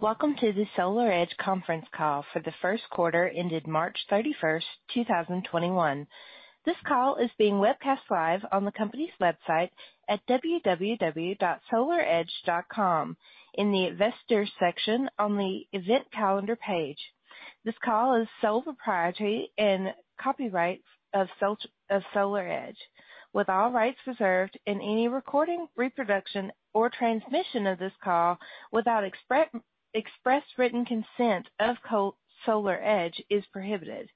Welcome to the SolarEdge conference call for the first quarter ended March 31st, 2021. This call is being webcast live on the company's website at www.solaredge.com in the Investors section on the Event Calendar page. This call is sole proprietary and copyright of SolarEdge, with all rights reserved, any recording, reproduction, or transmission of this call without express written consent of SolarEdge is prohibited.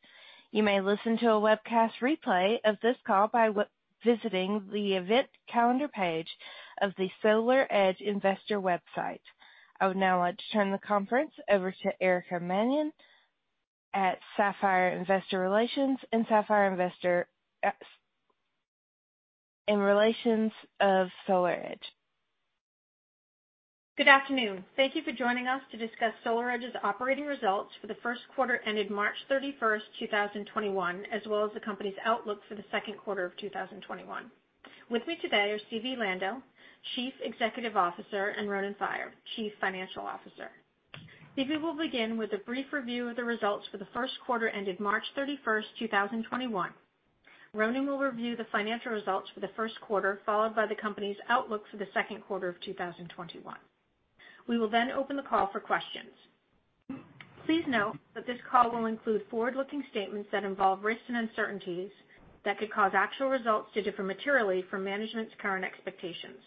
You may listen to a webcast replay of this call by visiting the Event Calendar page of the SolarEdge investor website. I would now like to turn the conference over to Erica Mannion at Sapphire Investor Relations. Good afternoon. Thank you for joining us to discuss SolarEdge's operating results for the first quarter ended March 31st, 2021, as well as the company's outlook for the second quarter of 2021. With me today are Zvi Lando, Chief Executive Officer, and Ronen Faier, Chief Financial Officer. Zvi will begin with a brief review of the results for the first quarter ended March 31st, 2021. Ronen will review the financial results for the first quarter, followed by the company's outlook for the second quarter of 2021. We will open the call for questions. Please note that this call will include forward-looking statements that involve risks and uncertainties that could cause actual results to differ materially from management's current expectations.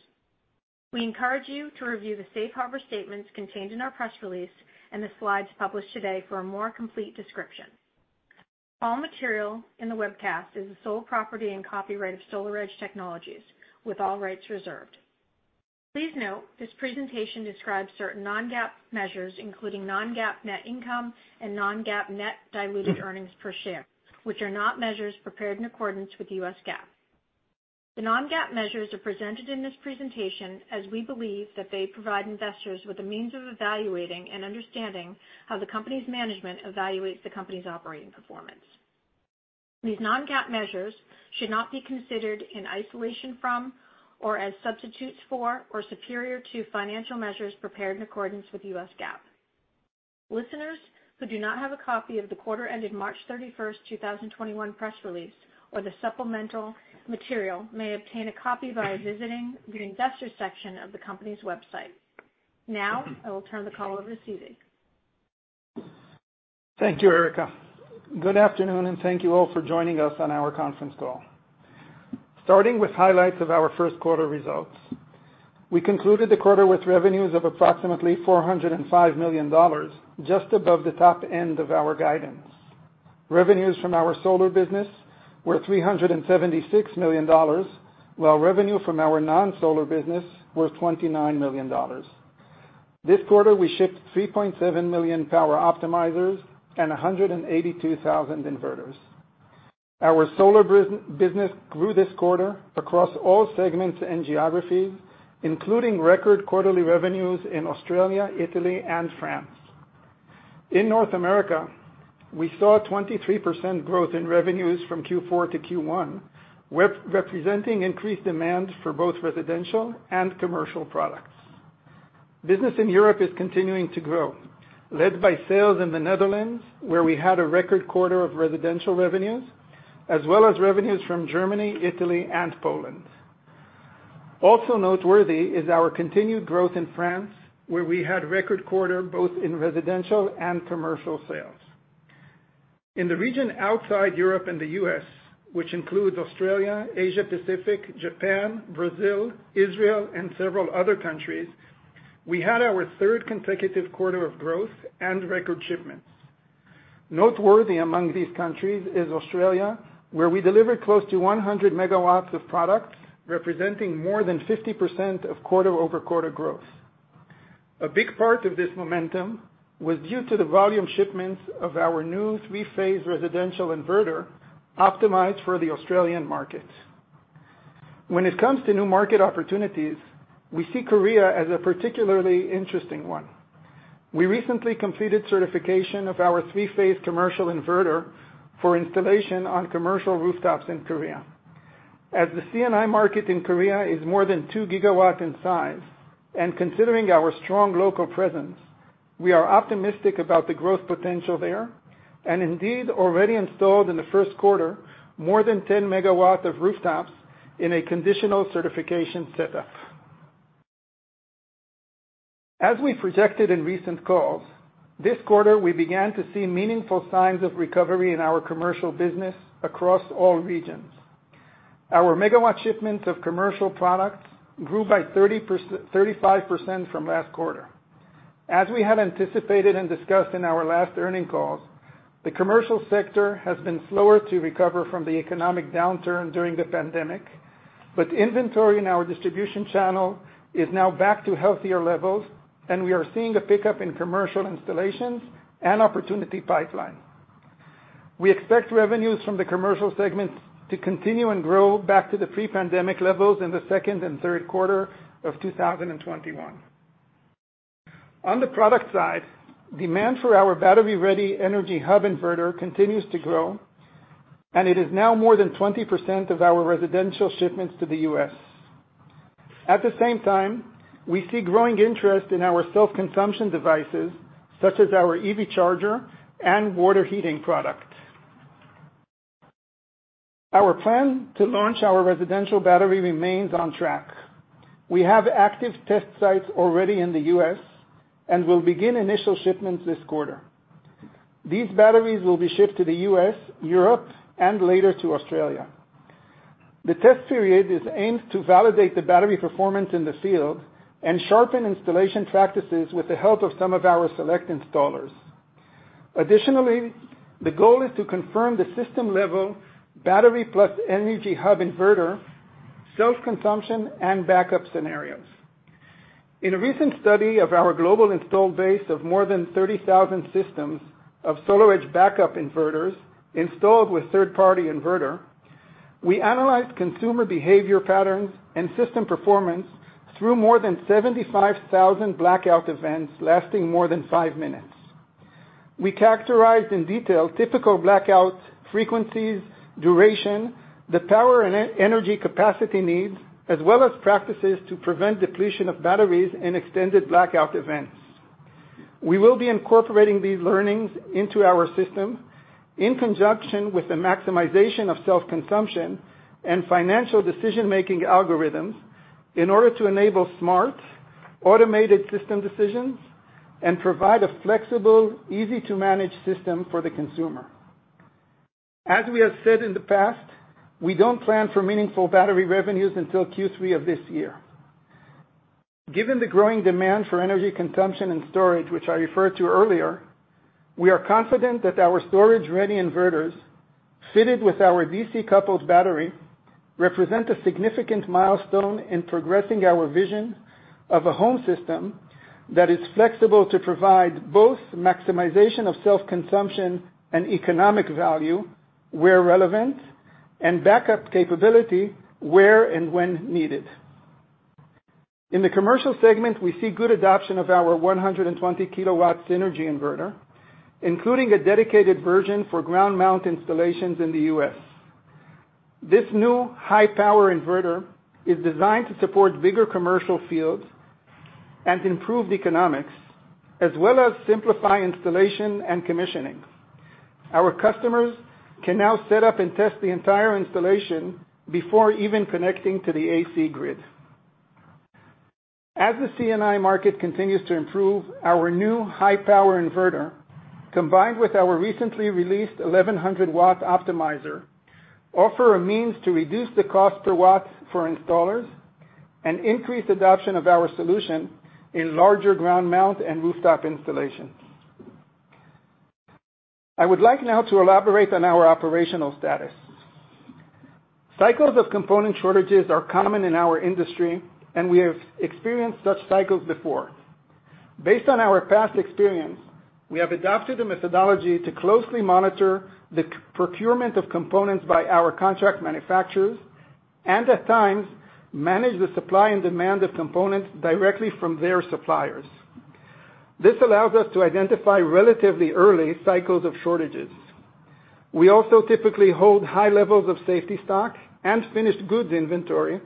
We encourage you to review the safe harbor statements contained in our press release and the slides published today for a more complete description. All material in the webcast is the sole property and copyright of SolarEdge Technologies, with all rights reserved. Please note this presentation describes certain non-GAAP measures, including non-GAAP net income and non-GAAP net diluted earnings per share, which are not measures prepared in accordance with the U.S. GAAP. The non-GAAP measures are presented in this presentation as we believe that they provide investors with a means of evaluating and understanding how the company's management evaluates the company's operating performance. These non-GAAP measures should not be considered in isolation from or as substitutes for or superior to financial measures prepared in accordance with U.S. GAAP. Listeners who do not have a copy of the quarter ended March 31st, 2021 press release or the supplemental material may obtain a copy by visiting the Investors section of the company's website. Now, I will turn the call over to Zvi. Thank you, Erica. Good afternoon. Thank you all for joining us on our conference call. Starting with highlights of our first quarter results. We concluded the quarter with revenues of approximately $405 million, just above the top end of our guidance. Revenues from our solar business were $376 million, while revenue from our non-solar business was $29 million. This quarter, we shipped 3.7 million Power Optimizers and 182,000 inverters. Our solar business grew this quarter across all segments and geographies, including record quarterly revenues in Australia, Italy, and France. In North America, we saw a 23% growth in revenues from Q4 to Q1, representing increased demand for both residential and commercial products. Business in Europe is continuing to grow, led by sales in the Netherlands, where we had a record quarter of residential revenues, as well as revenues from Germany, Italy, and Poland. Also noteworthy is our continued growth in France, where we had record quarter both in residential and commercial sales. In the region outside Europe and the U.S., which includes Australia, Asia-Pacific, Japan, Brazil, Israel, and several other countries, we had our third consecutive quarter of growth and record shipments. Noteworthy among these countries is Australia, where we delivered close to 100 MW of products representing more than 50% of quarter-over-quarter growth. A big part of this momentum was due to the volume shipments of our new three-phase residential inverter optimized for the Australian market. When it comes to new market opportunities, we see Korea as a particularly interesting one. We recently completed certification of our three-phase commercial inverter for installation on commercial rooftops in Korea. As the C&I market in Korea is more than 2 GW in size, and considering our strong local presence, we are optimistic about the growth potential there, and indeed already installed in the first quarter more than 10 MW of rooftops in a conditional certification setup. As we projected in recent calls, this quarter we began to see meaningful signs of recovery in our commercial business across all regions. Our megawatt shipments of commercial products grew by 35% from last quarter. As we had anticipated and discussed in our last earning calls, the commercial sector has been slower to recover from the economic downturn during the pandemic, but inventory in our distribution channel is now back to healthier levels, and we are seeing a pickup in commercial installations and opportunity pipeline. We expect revenues from the commercial segments to continue and grow back to the pre-pandemic levels in the second and third quarter of 2021. On the product side, demand for our battery-ready Energy Hub Inverter continues to grow. It is now more than 20% of our residential shipments to the U.S. At the same time, we see growing interest in our self-consumption devices, such as our EV Charger and water heating product. Our plan to launch our residential battery remains on track. We have active test sites already in the U.S. and will begin initial shipments this quarter. These batteries will be shipped to the U.S., Europe, and later to Australia. The test period is aimed to validate the battery performance in the field and sharpen installation practices with the help of some of our select installers. Additionally, the goal is to confirm the system level, battery plus Energy Hub Inverter, self-consumption, and backup scenarios. In a recent study of our global installed base of more than 30,000 systems of SolarEdge backup inverters installed with third-party inverter, we analyzed consumer behavior patterns and system performance through more than 75,000 blackout events lasting more than five minutes. We characterized in detail typical blackout frequencies, duration, the power and energy capacity needs, as well as practices to prevent depletion of batteries and extended blackout events. We will be incorporating these learnings into our system in conjunction with the maximization of self-consumption and financial decision-making algorithms in order to enable smart, automated system decisions and provide a flexible, easy-to-manage system for the consumer. As we have said in the past, we don't plan for meaningful battery revenues until Q3 of this year. Given the growing demand for energy consumption and storage, which I referred to earlier, we are confident that our storage-ready inverters, fitted with our DC-coupled battery, represent a significant milestone in progressing our vision of a home system that is flexible to provide both maximization of self-consumption and economic value where relevant, and backup capability where and when needed. In the commercial segment, we see good adoption of our 120 kW Synergy inverter, including a dedicated version for ground mount installations in the U.S. This new high-power inverter is designed to support bigger commercial fields and improve economics, as well as simplify installation and commissioning. Our customers can now set up and test the entire installation before even connecting to the AC grid. As the C&I market continues to improve, our new high-power inverter, combined with our recently released 1,100 W optimizer, offer a means to reduce the cost per watt for installers and increase adoption of our solution in larger ground mount and rooftop installations. I would like now to elaborate on our operational status. Cycles of component shortages are common in our industry, and we have experienced such cycles before. Based on our past experience, we have adapted a methodology to closely monitor the procurement of components by our contract manufacturers, and at times, manage the supply and demand of components directly from their suppliers. This allows us to identify relatively early cycles of shortages. We also typically hold high levels of safety stock and finished goods inventory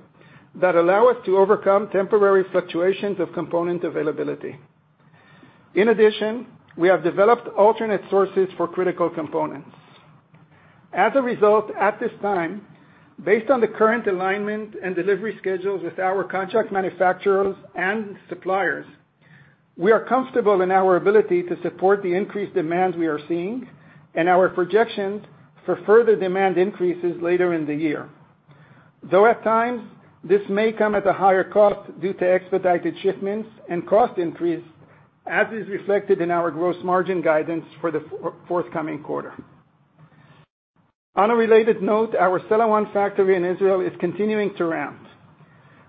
that allow us to overcome temporary fluctuations of component availability. In addition, we have developed alternate sources for critical components. As a result, at this time, based on the current alignment and delivery schedules with our contract manufacturers and suppliers, we are comfortable in our ability to support the increased demand we are seeing and our projections for further demand increases later in the year. At times, this may come at a higher cost due to expedited shipments and cost increase, as is reflected in our gross margin guidance for the forthcoming quarter. On a related note, our Sella 1 factory in Israel is continuing to ramp.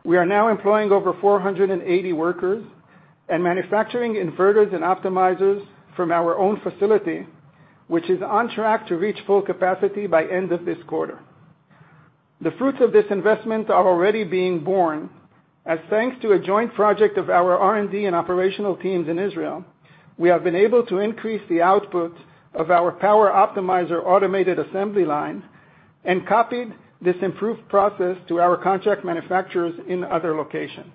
We are now employing over 480 workers and manufacturing inverters and Power Optimizers from our own facility, which is on track to reach full capacity by end of this quarter. The fruits of this investment are already being born, as thanks to a joint project of our R&D and operational teams in Israel, we have been able to increase the output of our Power Optimizers automated assembly line and copied this improved process to our contract manufacturers in other locations.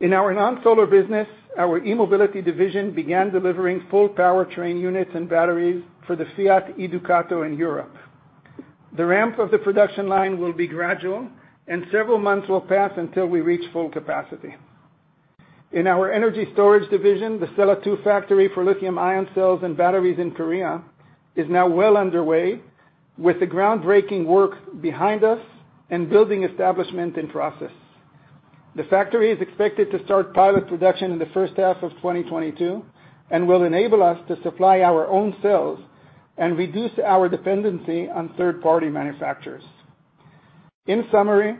In our non-solar business, our e-mobility division began delivering full powertrain units and batteries for the Fiat E-Ducato in Europe. The ramp of the production line will be gradual and several months will pass until we reach full capacity. In our energy storage division, the Sella 2 factory for lithium-ion cells and batteries in Korea is now well underway with the groundbreaking work behind us and building establishment in process. The factory is expected to start pilot production in the first half of 2022 and will enable us to supply our own cells and reduce our dependency on third-party manufacturers. In summary,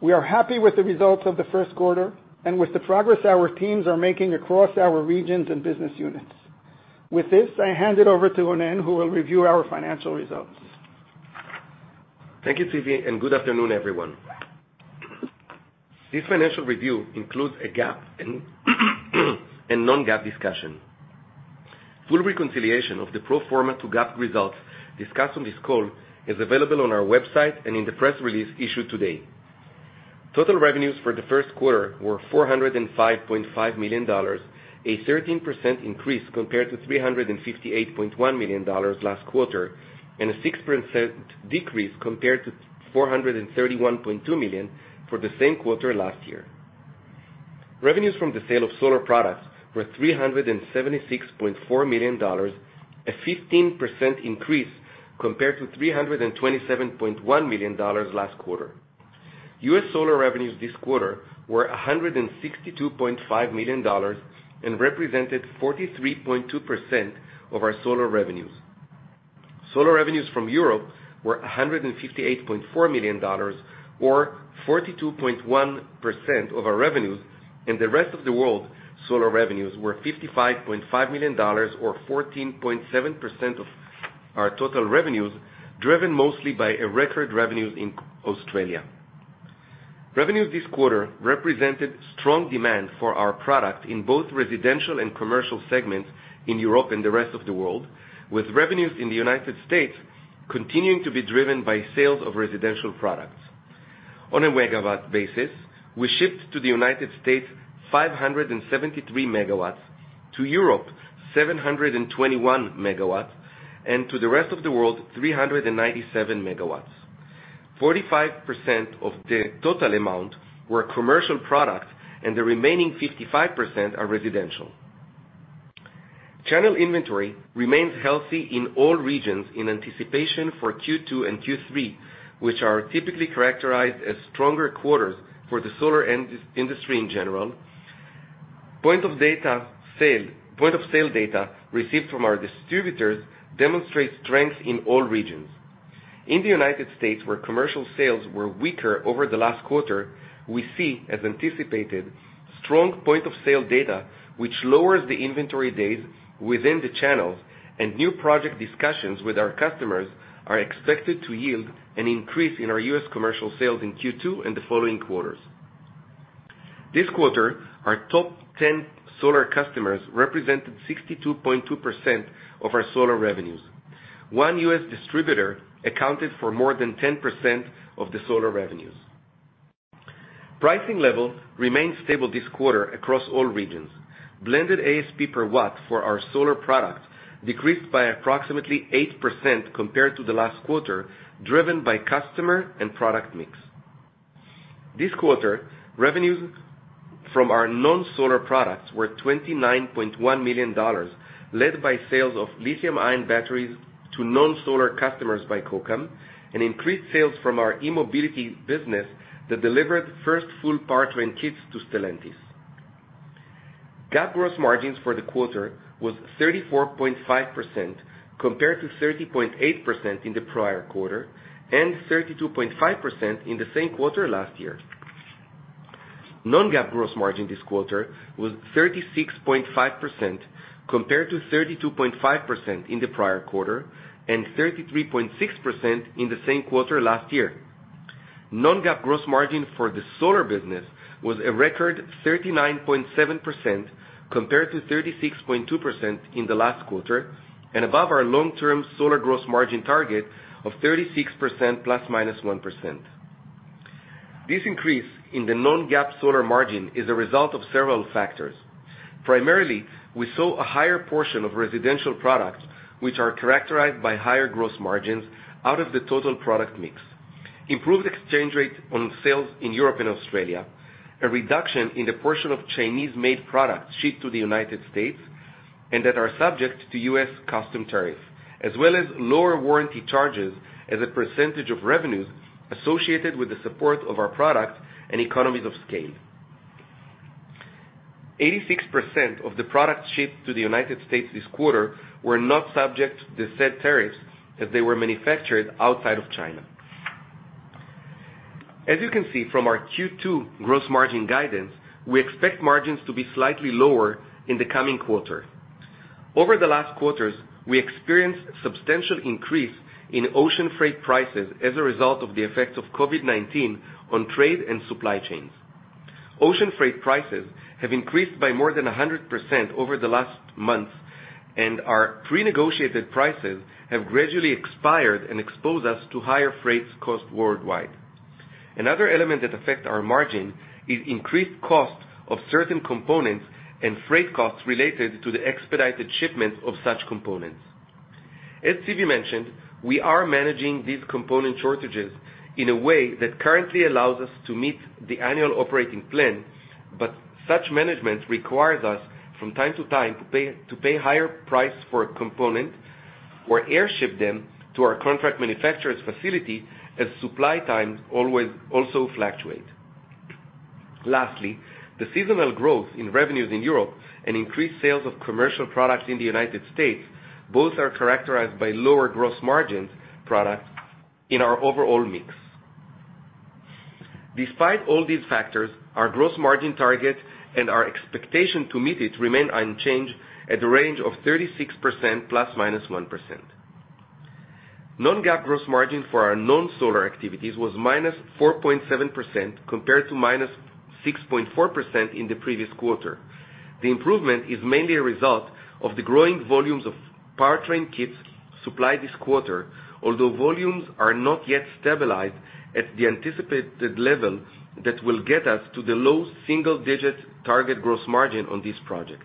we are happy with the results of the first quarter and with the progress our teams are making across our regions and business units. With this, I hand it over to Ronen, who will review our financial results. Thank you, Zvi. And good afternoon, everyone. This financial review includes a GAAP and non-GAAP discussion. Full reconciliation of the pro forma to GAAP results discussed on this call is available on our website and in the press release issued today. Total revenues for the first quarter were $405.5 million, a 13% increase compared to $358.1 million last quarter, and a 6% decrease compared to $431.2 million for the same quarter last year. Revenues from the sale of solar products were $376.4 million, a 15% increase compared to $327.1 million last quarter. U.S. solar revenues this quarter were $162.5 million and represented 43.2% of our solar revenues. Solar revenues from Europe were $158.4 million, or 42.1% of our revenues, and the rest of the world solar revenues were $55.5 million, or 14.7% of our total revenues, driven mostly by a record revenues in Australia. Revenues this quarter represented strong demand for our product in both residential and commercial segments in Europe and the rest of the world, with revenues in the U.S. continuing to be driven by sales of residential products. On a megawatt basis, we shipped to the U.S. 573 MW, to Europe 721 MW, and to the rest of the world 397 MW. 45% of the total amount were commercial products. The remaining 55% are residential. Channel inventory remains healthy in all regions in anticipation for Q2 and Q3, which are typically characterized as stronger quarters for the solar industry in general. Point of sale data received from our distributors demonstrates strength in all regions. In the United States, where commercial sales were weaker over the last quarter, we see, as anticipated, strong point-of-sale data, which lowers the inventory days within the channels and new project discussions with our customers are expected to yield an increase in our U.S. commercial sales in Q2 and the following quarters. This quarter, our top 10 solar customers represented 62.2% of our solar revenues. One U.S. distributor accounted for more than 10% of the solar revenues. Pricing level remained stable this quarter across all regions. Blended ASP per watt for our solar products decreased by approximately 8% compared to the last quarter, driven by customer and product mix. This quarter, revenues from our non-solar products were $29.1 million, led by sales of lithium-ion batteries to non-solar customers by Kokam and increased sales from our e-mobility business that delivered first full powertrain kits to Stellantis. GAAP gross margins for the quarter was 34.5% compared to 30.8% in the prior quarter and 32.5% in the same quarter last year. Non-GAAP gross margin this quarter was 36.5%, compared to 32.5% in the prior quarter and 33.6% in the same quarter last year. Non-GAAP gross margin for the solar business was a record 39.7%, compared to 36.2% in the last quarter and above our long-term solar gross margin target of 36% ±1%. This increase in the non-GAAP solar margin is a result of several factors. Primarily, we saw a higher portion of residential products, which are characterized by higher gross margins out of the total product mix, improved exchange rate on sales in Europe and Australia, a reduction in the portion of Chinese-made products shipped to the U.S. and that are subject to U.S. custom tariff, as well as lower warranty charges as a percentage of revenues associated with the support of our product and economies of scale. 86% of the products shipped to the U.S. this quarter were not subject to the said tariffs as they were manufactured outside of China. As you can see from our Q2 gross margin guidance, we expect margins to be slightly lower in the coming quarter. Over the last quarters, we experienced substantial increase in ocean freight prices as a result of the effects of COVID-19 on trade and supply chains. Ocean freight prices have increased by more than 100% over the last months, and our prenegotiated prices have gradually expired and exposed us to higher freight costs worldwide. Another element that affect our margin is increased cost of certain components and freight costs related to the expedited shipments of such components. As Zvi mentioned, we are managing these component shortages in a way that currently allows us to meet the annual operating plan, but such management requires us from time to time to pay higher price for a component or air ship them to our contract manufacturer's facility as supply times also fluctuate. Lastly, the seasonal growth in revenues in Europe and increased sales of commercial products in the United States both are characterized by lower gross margins products in our overall mix. Despite all these factors, our gross margin target and our expectation to meet it remain unchanged at the range of 36% ±1%. Non-GAAP gross margin for our non-solar activities was -4.7%, compared to -6.4% in the previous quarter. The improvement is mainly a result of the growing volumes of powertrain kits supplied this quarter, although volumes are not yet stabilized at the anticipated level that will get us to the low single-digit target gross margin on this project.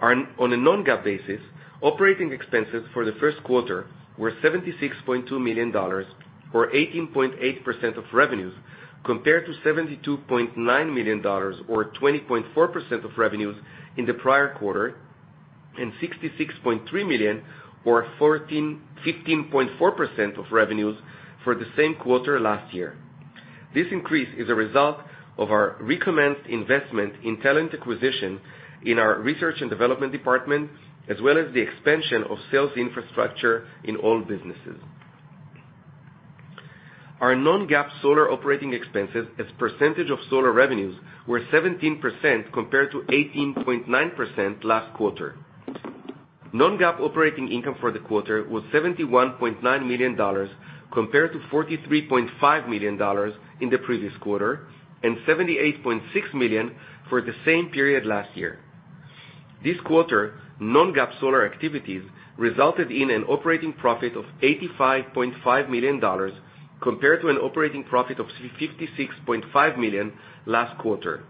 On a non-GAAP basis, operating expenses for the first quarter were $76.2 million, or 18.8% of revenues, compared to $72.9 million, or 20.4% of revenues in the prior quarter, and $66.3 million, or 15.4% of revenues for the same quarter last year. This increase is a result of our recommenced investment in talent acquisition in our research and development department, as well as the expansion of sales infrastructure in all businesses. Our non-GAAP solar operating expenses as percentage of solar revenues were 17%, compared to 18.9% last quarter. Non-GAAP operating income for the quarter was $71.9 million, compared to $43.5 million in the previous quarter, and $78.6 million for the same period last year. This quarter, non-GAAP solar activities resulted in an operating profit of $85.5 million, compared to an operating profit of $56.5 million last quarter.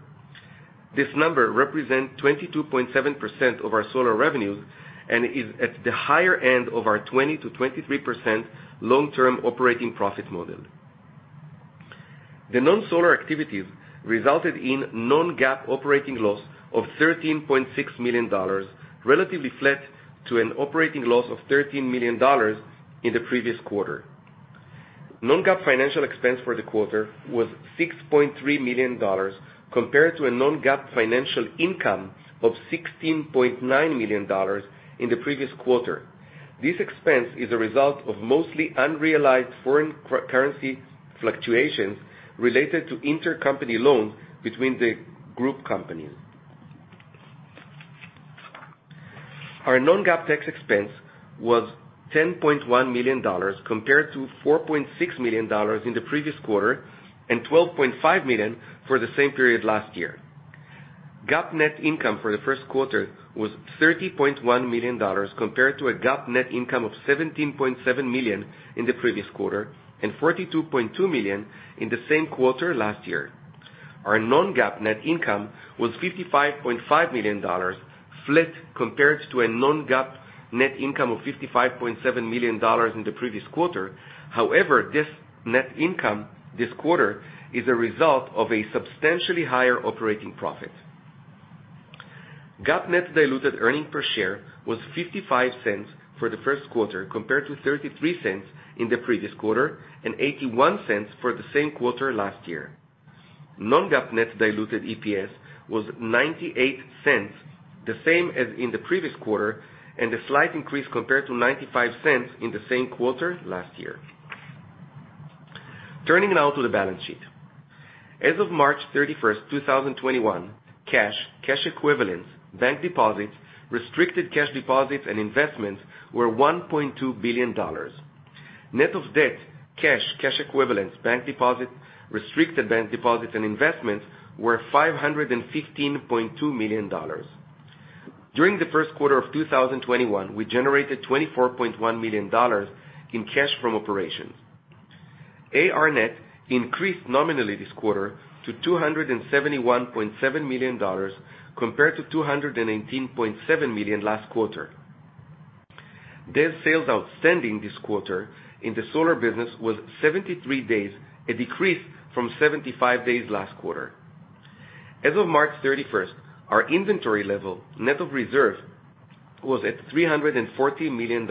This number represents 22.7% of our solar revenues and is at the higher end of our 20%-23% long-term operating profit model. The non-solar activities resulted in non-GAAP operating loss of $13.6 million, relatively flat to an operating loss of $13 million in the previous quarter. Non-GAAP financial expense for the quarter was $6.3 million, compared to a non-GAAP financial income of $16.9 million in the previous quarter. This expense is a result of mostly unrealized foreign currency fluctuations related to intercompany loans between the group companies. Our non-GAAP tax expense was $10.1 million, compared to $4.6 million in the previous quarter, and $12.5 million for the same period last year. GAAP net income for the first quarter was $30.1 million, compared to a GAAP net income of $17.7 million in the previous quarter and $42.2 million in the same quarter last year. Our non-GAAP net income was $55.5 million, flat compared to a non-GAAP net income of $55.7 million in the previous quarter. However, this net income this quarter is a result of a substantially higher operating profit. GAAP net diluted earnings per share was $0.55 for the first quarter, compared to $0.33 in the previous quarter and $0.81 for the same quarter last year. Non-GAAP net diluted EPS was $0.98, the same as in the previous quarter, and a slight increase compared to $0.95 in the same quarter last year. Turning now to the balance sheet. As of March 31st, 2021, cash equivalents, bank deposits, restricted cash deposits and investments were $1.2 billion. Net of debt, cash equivalents, bank deposits, restricted bank deposits and investments were $515.2 million. During the first quarter of 2021, we generated $24.1 million in cash from operations. AR net increased nominally this quarter to $271.7 million compared to $218.7 million last quarter. Days sales outstanding this quarter in the solar business was 73 days, a decrease from 75 days last quarter. As of March 31st, our inventory level, net of reserve, was at $340 million,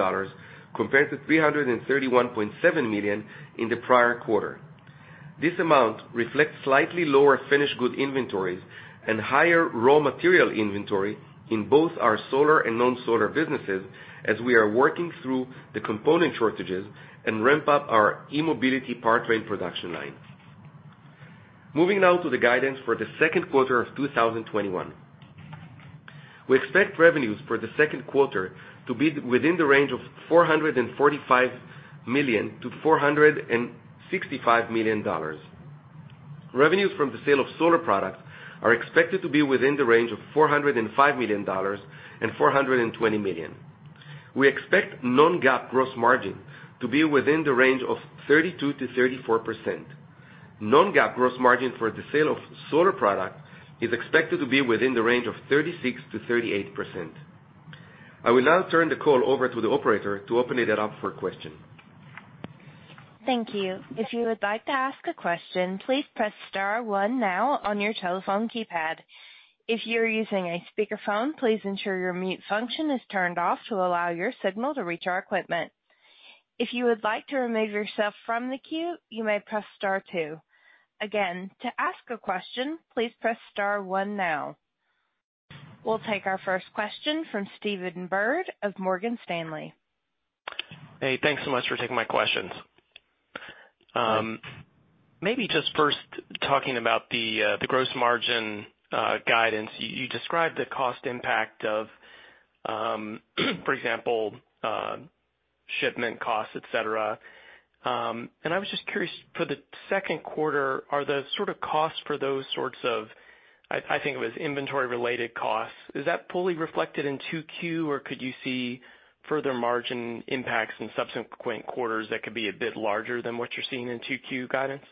compared to $331.7 million in the prior quarter. This amount reflects slightly lower finished good inventories and higher raw material inventory in both our solar and non-solar businesses, as we are working through the component shortages and ramp up our e-mobility powertrain production lines. Moving now to the guidance for the second quarter of 2021. We expect revenues for the second quarter to be within the range of $445 million-$465 million. Revenues from the sale of solar products are expected to be within the range of $405 million and $420 million. We expect non-GAAP gross margin to be within the range of 32%-34%. Non-GAAP gross margin for the sale of solar product is expected to be within the range of 36%-38%. I will now turn the call over to the operator to open it up for question. Thank you. If you would like to ask a question, please press star one now on your telephone keypad. If you're using a speakerphone, please ensure your mute function is turned off to allow your signal to reach our equipment. If you would like to remove yourself from the queue, you may press star two. Again, to ask a question, please press star one now. We will take our first question from Stephen Byrd of Morgan Stanley. Hey, thanks so much for taking my questions. Maybe just first talking about the gross margin guidance. You described the cost impact of, for example, shipment costs, et cetera. I was just curious, for the second quarter, are the sort of costs for those sorts of, I think it was inventory-related costs, is that fully reflected in 2Q, or could you see further margin impacts in subsequent quarters that could be a bit larger than what you're seeing in 2Q guidance?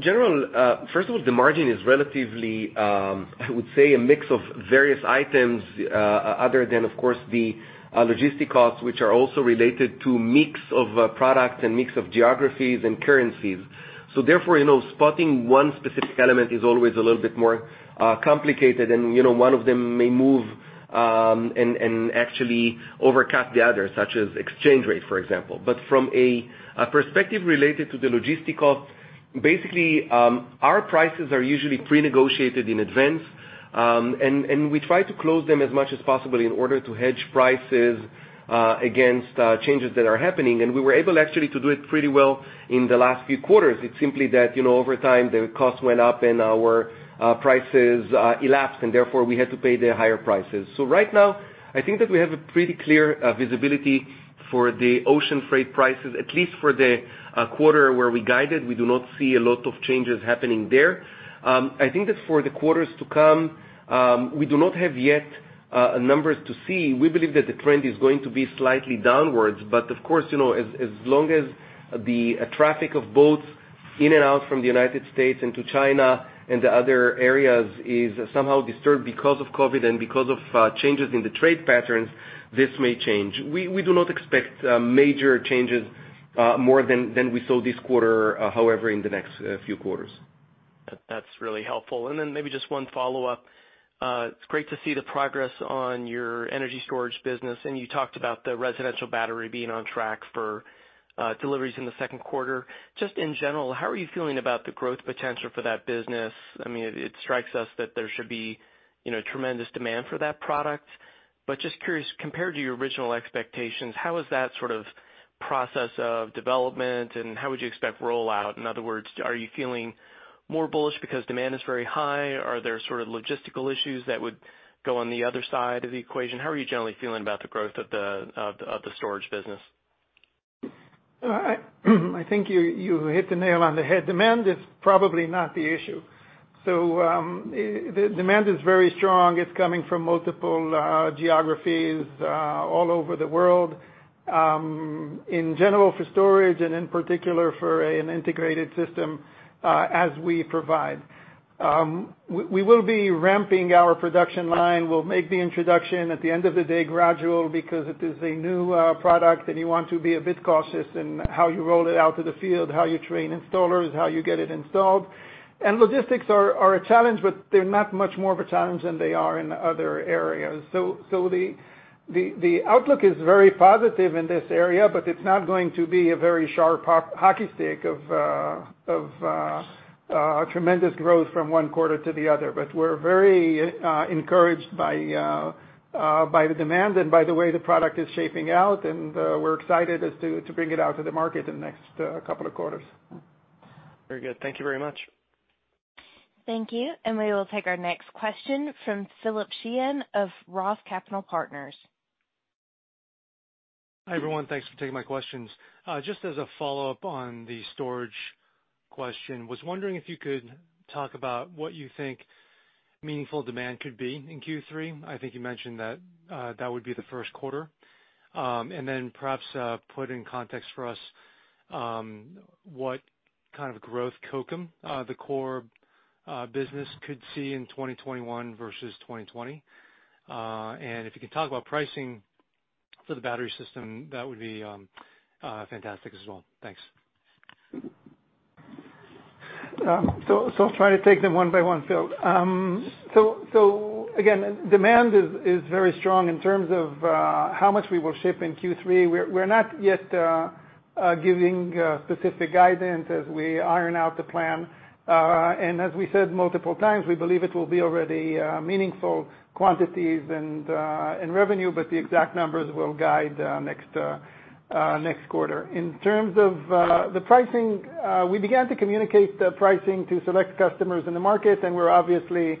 General, first of all, the margin is relatively, I would say, a mix of various items other than, of course, the logistic costs, which are also related to mix of product and mix of geographies and currencies. Therefore, spotting one specific element is always a little bit more complicated. One of them may move and actually overcut the other, such as exchange rate, for example. From a perspective related to the logistic cost, basically, our prices are usually pre-negotiated in advance. We try to close them as much as possible in order to hedge prices against changes that are happening. We were able, actually, to do it pretty well in the last few quarters. It's simply that, over time, the cost went up, and our prices elapsed, and therefore, we had to pay the higher prices. Right now, I think that we have a pretty clear visibility for the ocean freight prices, at least for the quarter where we guided. We do not see a lot of changes happening there. I think that for the quarters to come, we do not have yet numbers to see. We believe that the trend is going to be slightly downwards, but of course, as long as the traffic of boats in and out from the U.S. into China and to other areas is somehow disturbed because of COVID and because of changes in the trade patterns, this may change. We do not expect major changes more than we saw this quarter, however, in the next few quarters. That's really helpful. Maybe just one follow-up. It's great to see the progress on your energy storage business, and you talked about the residential battery being on track for deliveries in the second quarter. In general, how are you feeling about the growth potential for that business? It strikes us that there should be tremendous demand for that product. Curious, compared to your original expectations, how is that sort of process of development, and how would you expect rollout? In other words, are you feeling more bullish because demand is very high? Are there logistical issues that would go on the other side of the equation? How are you generally feeling about the growth of the storage business? I think you hit the nail on the head. Demand is probably not the issue. The demand is very strong. It's coming from multiple geographies all over the world, in general for storage and in particular for an integrated system as we provide. We will be ramping our production line. We'll make the introduction at the end of the day gradual because it is a new product, and you want to be a bit cautious in how you roll it out to the field, how you train installers, how you get it installed. Logistics are a challenge, but they're not much more of a challenge than they are in other areas. The outlook is very positive in this area, but it's not going to be a very sharp hockey stick of tremendous growth from one quarter to the other. We're very encouraged by the demand and by the way the product is shaping out, and we're excited as to bring it out to the market in the next couple of quarters. Very good. Thank you very much. Thank you. We will take our next question from Philip Shen of Roth Capital Partners. Hi, everyone. Thanks for taking my questions. Just as a follow-up on the storage question, was wondering if you could talk about what you think meaningful demand could be in Q3. I think you mentioned that that would be the first quarter. Then perhaps put in context for us what kind of growth Kokam, the core business, could see in 2021 versus 2020. If you could talk about pricing for the battery system, that would be fantastic as well. Thanks. I'll try to take them one by one, Phil. Again, demand is very strong. In terms of how much we will ship in Q3, we're not yet giving specific guidance as we iron out the plan. As we said multiple times, we believe it will be already meaningful quantities and revenue, the exact numbers we'll guide next quarter. In terms of the pricing, we began to communicate the pricing to select customers in the market, we're obviously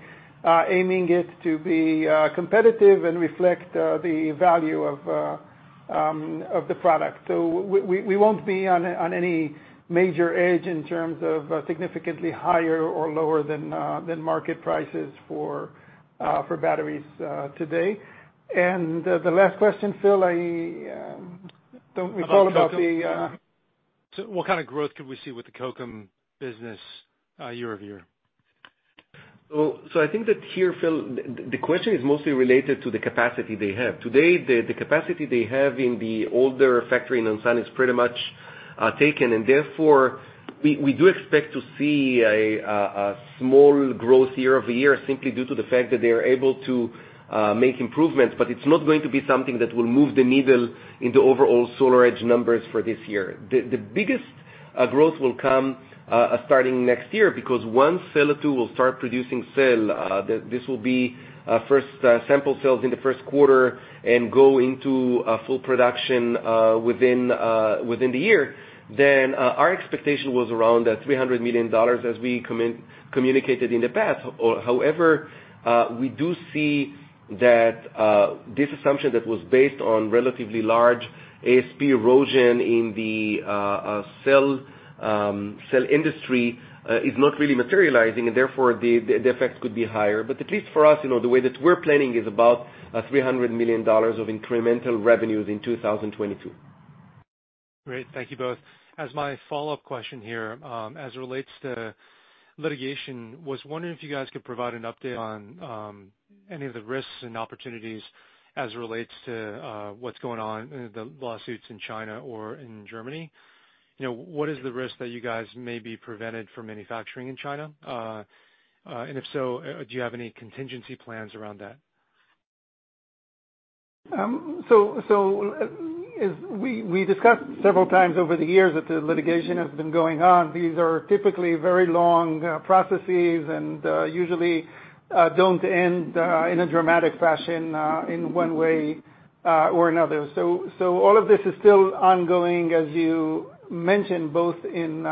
aiming it to be competitive and reflect the value of the product. We won't be on any major edge in terms of significantly higher or lower than market prices for batteries today. The last question, Phil, I don't recall about the. About Kokam. What kind of growth could we see with the Kokam business year-over-year? I think that here, Philip, the question is mostly related to the capacity they have. Today, the capacity they have in the older factory in Nonsan is pretty much taken, and therefore, we do expect to see a small growth year-over-year simply due to the fact that they are able to make improvements. It's not going to be something that will move the needle into overall SolarEdge numbers for this year. The biggest growth will come starting next year, because once Sella 2 will start producing cells, this will be first sample cells in the first quarter and go into full production within the year. Our expectation was around $300 million as we communicated in the past. However, we do see that this assumption that was based on relatively large ASP erosion in the cell industry is not really materializing, and therefore, the effects could be higher. At least for us, the way that we're planning is about $300 million of incremental revenues in 2022. Great. Thank you both. As my follow-up question here, as it relates to litigation, was wondering if you guys could provide an update on any of the risks and opportunities as it relates to what's going on in the lawsuits in China or in Germany. What is the risk that you guys may be prevented from manufacturing in China? If so, do you have any contingency plans around that? We discussed several times over the years that the litigation has been going on. These are typically very long processes, and usually don't end in a dramatic fashion in one way or another. All of this is still ongoing as you mentioned, both in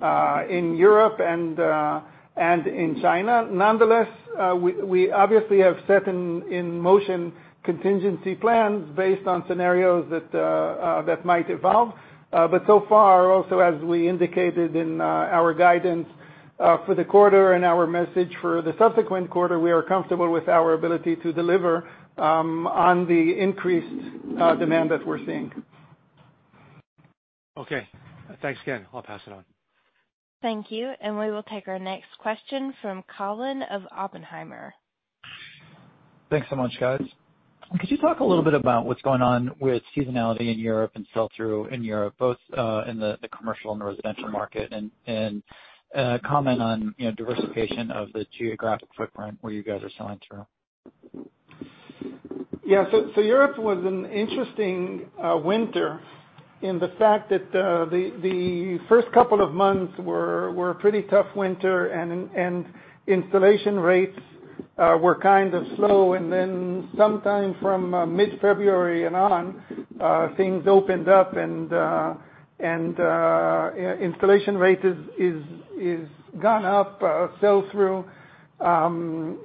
Europe and in China. Nonetheless, we obviously have set in motion contingency plans based on scenarios that might evolve. So far, also as we indicated in our guidance for the quarter and our message for the subsequent quarter, we are comfortable with our ability to deliver on the increased demand that we're seeing. Okay, thanks again. I'll pass it on. Thank you. We will take our next question from Colin of Oppenheimer. Thanks so much, guys. Could you talk a little bit about what's going on with seasonality in Europe and sell-through in Europe, both in the commercial and residential market? Comment on diversification of the geographic footprint where you guys are selling through. Yeah. Europe was an interesting winter in the fact that the first couple of months were pretty tough winter, and installation rates were kind of slow. Sometime from mid-February and on, things opened up and installation rate is gone up, sell-through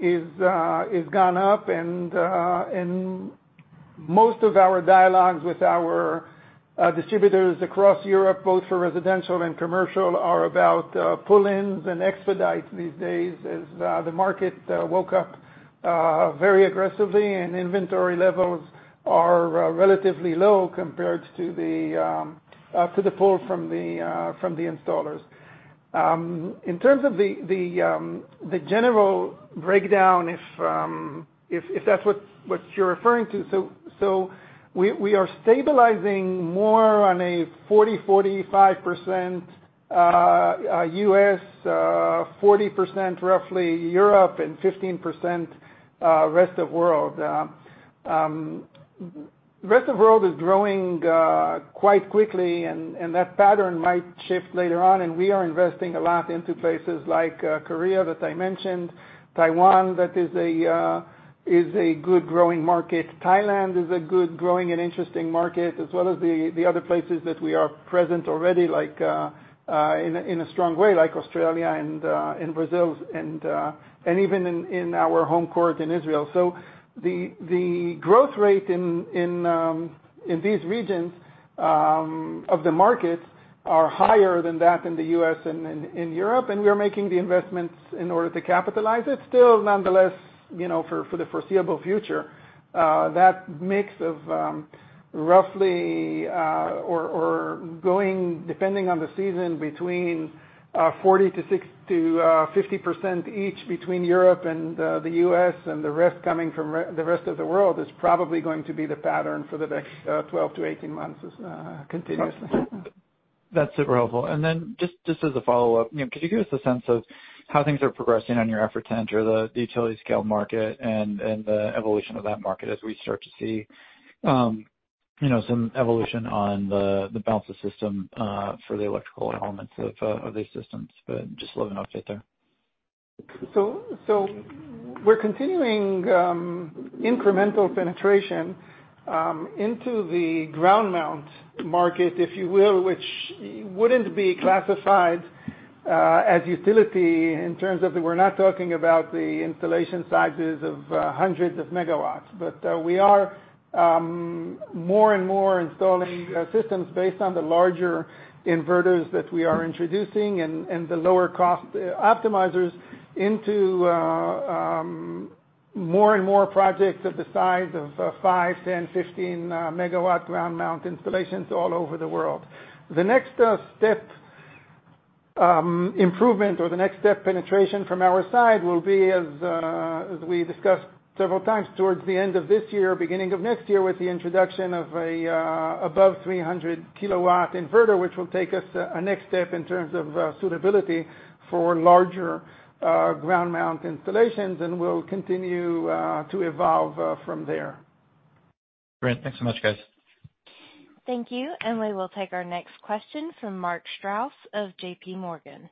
is gone up, and most of our dialogues with our distributors across Europe, both for residential and commercial, are about pull-ins and expedites these days as the market woke up very aggressively and inventory levels are relatively low compared to the pull from the installers. In terms of the general breakdown, if that's what you're referring to. We are stabilizing more on a 40%, 45% U.S., 40% roughly Europe, and 15% rest of world. Rest of world is growing quite quickly, and that pattern might shift later on, and we are investing a lot into places like Korea that I mentioned, Taiwan, that is a good growing market. Thailand is a good growing and interesting market, as well as the other places that we are present already in a strong way, like Australia and Brazil, and even in our home court in Israel. So the growth rate in these regions of the markets are higher than that in the U.S. and in Europe. And we are making the investments in order to capitalize it. Nonetheless, for the foreseeable future, that mix of roughly or going, depending on the season, between 40%-50% each between Europe and the U.S., and the rest coming from the rest of the world, is probably going to be the pattern for the next 12-18 months continuously. That's super helpful. Just as a follow-up, could you give us a sense of how things are progressing on your effort to enter the utility scale market and the evolution of that market as we start to see some evolution on the balance of system for the electrical elements of these systems? Just a little update there. We're continuing incremental penetration into the ground mount market, if you will, which wouldn't be classified as utility in terms of the we're not talking about the installation sizes of hundreds of megawatts. We are more and more installing systems based on the larger inverters that we are introducing and the lower cost optimizers into more and more projects of the size of 5 MW, 10 MW, 15 MW ground mount installations all over the world. The next step improvement, or the next step penetration from our side will be, as we discussed several times, towards the end of this year, beginning of next year, with the introduction of a above 300 kW inverter, which will take us a next step in terms of suitability for larger ground mount installations, and will continue to evolve from there. Great. Thanks so much, guys. Thank you. We will take our next question from Mark Strouse of J.P. Morgan.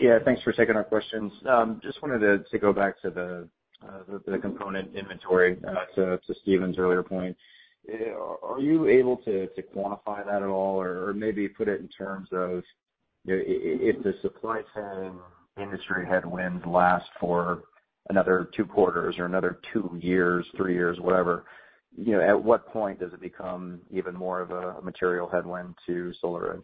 Yeah. Thanks for taking our questions. Just wanted to go back to the component inventory, to Stephen's earlier point. Are you able to quantify that at all? Maybe put it in terms of, if the supply chain industry headwind lasts for another two quarters or another two years, three years, whatever, at what point does it become even more of a material headwind to SolarEdge?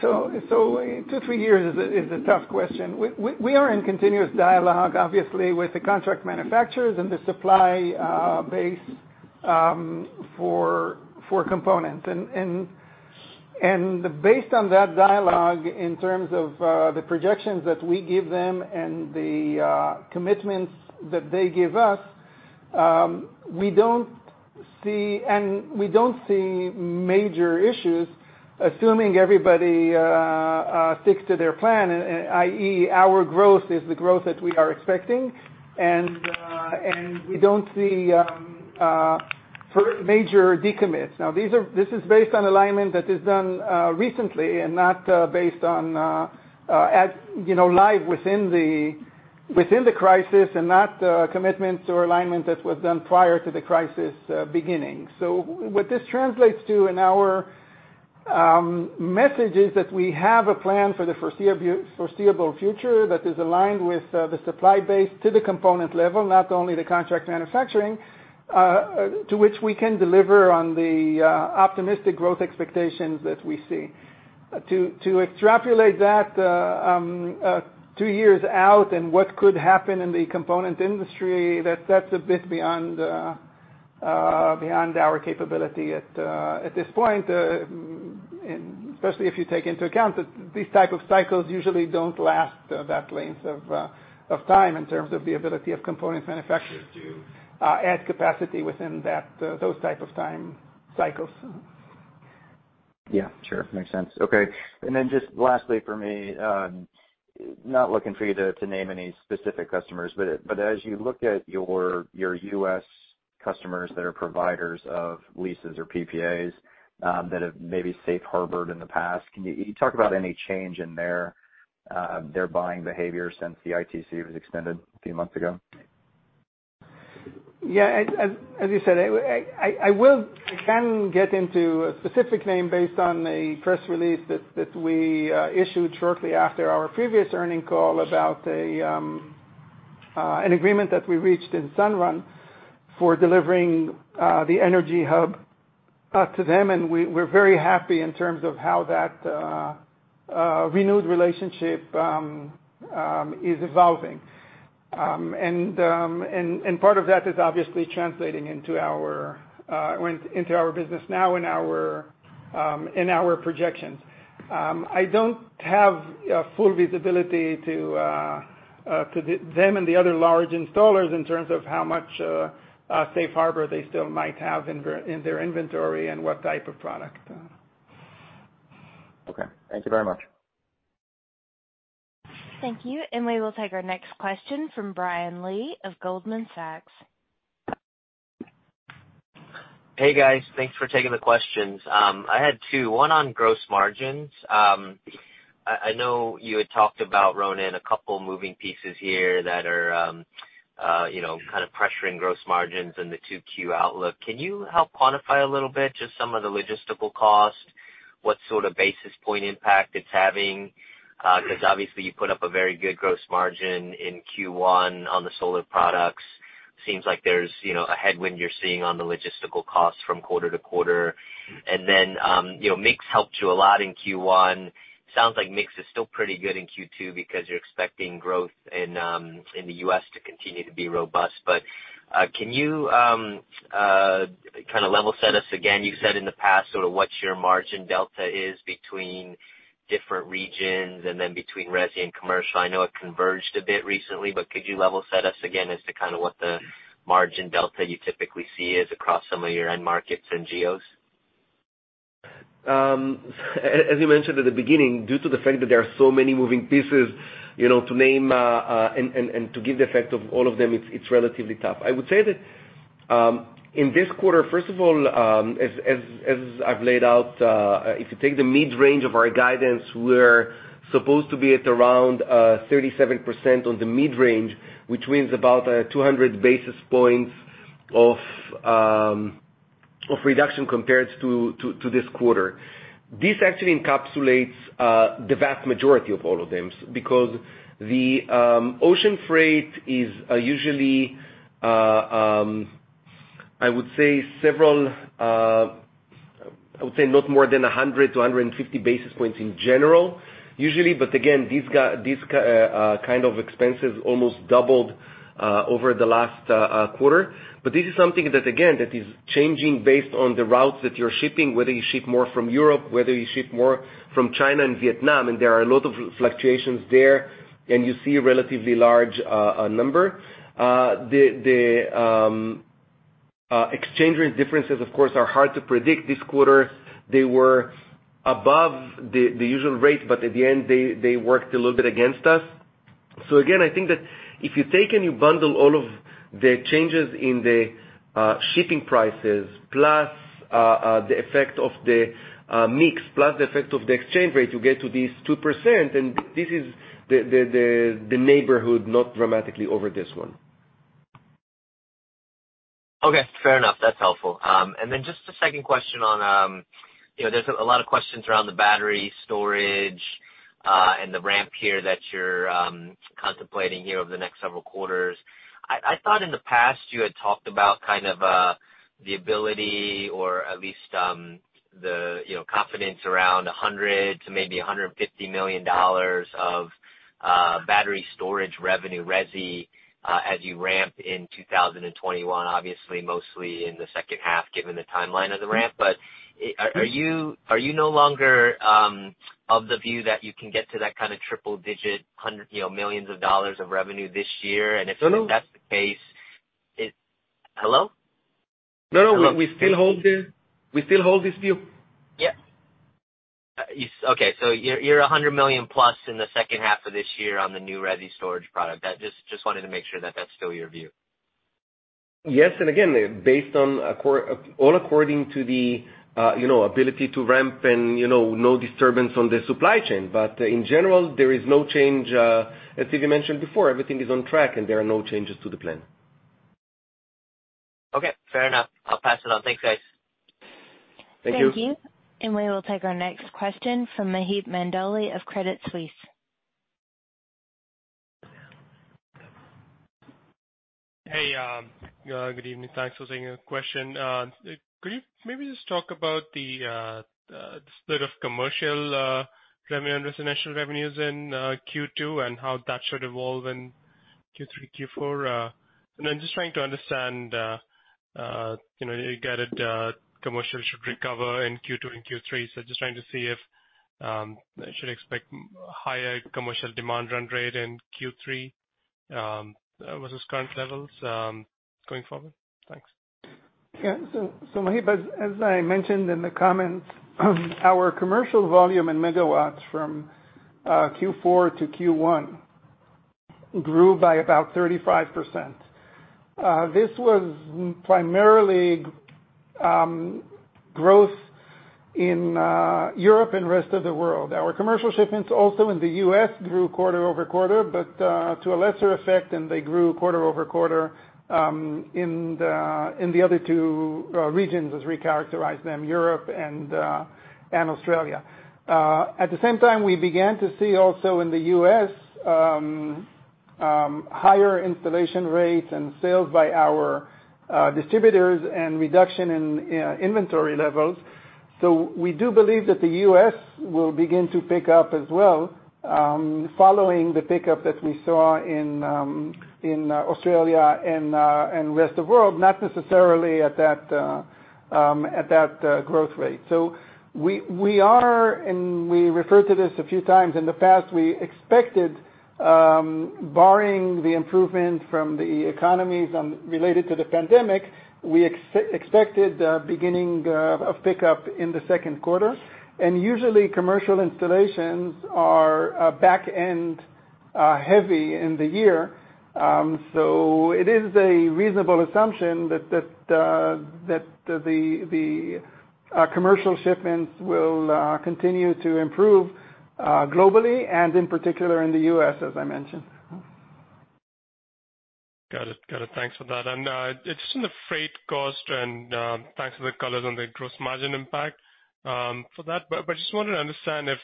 Two, three years is a tough question. We are in continuous dialogue, obviously, with the contract manufacturers and the supply base for components. Based on that dialogue, in terms of the projections that we give them and the commitments that they give us, we don't see major issues, assuming everybody sticks to their plan, i.e., our growth is the growth that we are expecting. We don't see major decommits. Now, this is based on alignment that is done recently and not based on live within the crisis and not commitments or alignment that was done prior to the crisis beginning. What this translates to in our message is that we have a plan for the foreseeable future that is aligned with the supply base to the component level, not only the contract manufacturing, to which we can deliver on the optimistic growth expectations that we see. To extrapolate that two years out and what could happen in the component industry, that's a bit beyond our capability at this point. Especially if you take into account that these type of cycles usually don't last that length of time in terms of the ability of components manufacturers to add capacity within those type of time cycles. Yeah. Sure. Makes sense. Okay. Just lastly for me, not looking for you to name any specific customers, but as you look at your U.S. customers that are providers of leases or PPAs that have maybe safe harbored in the past, can you talk about any change in their buying behavior since the ITC was extended a few months ago? As you said, I can get into a specific name based on a press release that we issued shortly after our previous earnings call about an agreement that we reached in Sunrun for delivering the Energy Hub to them. We're very happy in terms of how that renewed relationship is evolving. Part of that is obviously translating into our business now in our projections. I don't have full visibility to them and the other large installers in terms of how much safe harbor they still might have in their inventory and what type of product. Okay. Thank you very much. Thank you. We will take our next question from Brian Lee of Goldman Sachs. Hey, guys. Thanks for taking the questions. I had two, one on gross margins. I know you had talked about, Ronen, a couple moving pieces here that are kind of pressuring gross margins in the 2Q outlook. Can you help quantify a little bit just some of the logistical costs, what sort of basis point impact it's having? Obviously you put up a very good gross margin in Q1 on the solar products. Seems like there's a headwind you're seeing on the logistical costs from quarter to quarter. Mix helped you a lot in Q1. Sounds like mix is still pretty good in Q2 because you're expecting growth in the U.S. to continue to be robust. Can you kind of level set us again? You've said in the past sort of what your margin delta is between different regions and then between resi and commercial. I know it converged a bit recently, but could you level set us again as to kind of what the margin delta you typically see is across some of your end markets and geos? As you mentioned at the beginning, due to the fact that there are so many moving pieces, to name and to give the effect of all of them, it's relatively tough. I would say that in this quarter, first of all, as I've laid out, if you take the mid-range of our guidance, we're supposed to be at around 37% on the mid-range, which means about 200 basis points of reduction compared to this quarter. This actually encapsulates the vast majority of all of them, because the ocean freight is usually, I would say, not more than 100 basis points-150 basis points in general, usually. Again, these kind of expenses almost doubled over the last quarter. This is something that, again, that is changing based on the routes that you're shipping, whether you ship more from Europe, whether you ship more from China and Vietnam, and there are a lot of fluctuations there, and you see a relatively large number. Exchange rate differences, of course, are hard to predict. This quarter, they were above the usual rate, but at the end, they worked a little bit against us. Again, I think that if you take and you bundle all of the changes in the shipping prices, plus the effect of the mix, plus the effect of the exchange rate, you get to this 2%, and this is the neighborhood, not dramatically over this one. Okay, fair enough. That's helpful. Just a second question on, there's a lot of questions around the battery storage, and the ramp here that you're contemplating here over the next several quarters. I thought in the past you had talked about kind of the ability or at least the confidence around $100 million-$150 million of battery storage revenue, resi, as you ramp in 2021, obviously mostly in the second half, given the timeline of the ramp. Are you no longer of the view that you can get to that kind of triple digit millions of dollars of revenue this year? No. If that's the case Hello? No, we still hold this view. Yeah. Okay. You're $100+ million in the second half of this year on the new resi storage product. Just wanted to make sure that that's still your view. Yes, again, all according to the ability to ramp and no disturbance on the supply chain. In general, there is no change. As Zvi mentioned before, everything is on track, and there are no changes to the plan. Okay, fair enough. I'll pass it on. Thanks, guys. Thank you. Thank you. We will take our next question from Maheep Mandloi of Credit Suisse. Hey, good evening. Thanks for taking the question. Could you maybe just talk about the split of commercial revenue and residential revenues in Q2, and how that should evolve in Q3, Q4? I'm just trying to understand, you guided commercial should recover in Q2 and Q3, so just trying to see if I should expect higher commercial demand run rate in Q3 versus current levels going forward. Thanks. Maheep, as I mentioned in the comments, our commercial volume in megawatt from Q4 to Q1 grew by about 35%. This was primarily growth in Europe and rest of the world. Our commercial shipments also in the U.S. grew quarter-over-quarter, but to a lesser effect than they grew quarter-over-quarter in the other two regions, as we characterize them, Europe and Australia. At the same time, we began to see also in the U.S., higher installation rates and sales by our distributors and reduction in inventory levels. We do believe that the U.S. will begin to pick up as well, following the pickup that we saw in Australia and rest of world, not necessarily at that growth rate. We are, and we referred to this a few times in the past, we expected, barring the improvement from the economies related to the pandemic, we expected beginning of pickup in the second quarter. Usually commercial installations are back end heavy in the year. It is a reasonable assumption that the commercial shipments will continue to improve globally and in particular in the U.S., as I mentioned. Got it. Thanks for that. Just on the freight cost, thanks for the colors on the gross margin impact for that. Just wanted to understand if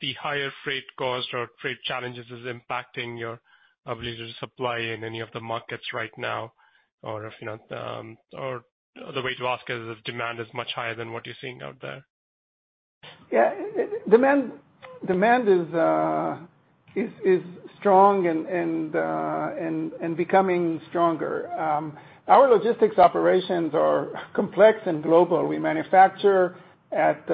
the higher freight cost or freight challenges is impacting your ability to supply in any of the markets right now. Other way to ask is if demand is much higher than what you're seeing out there. Yeah. Demand is strong and becoming stronger. Our logistics operations are complex and global. We manufacture at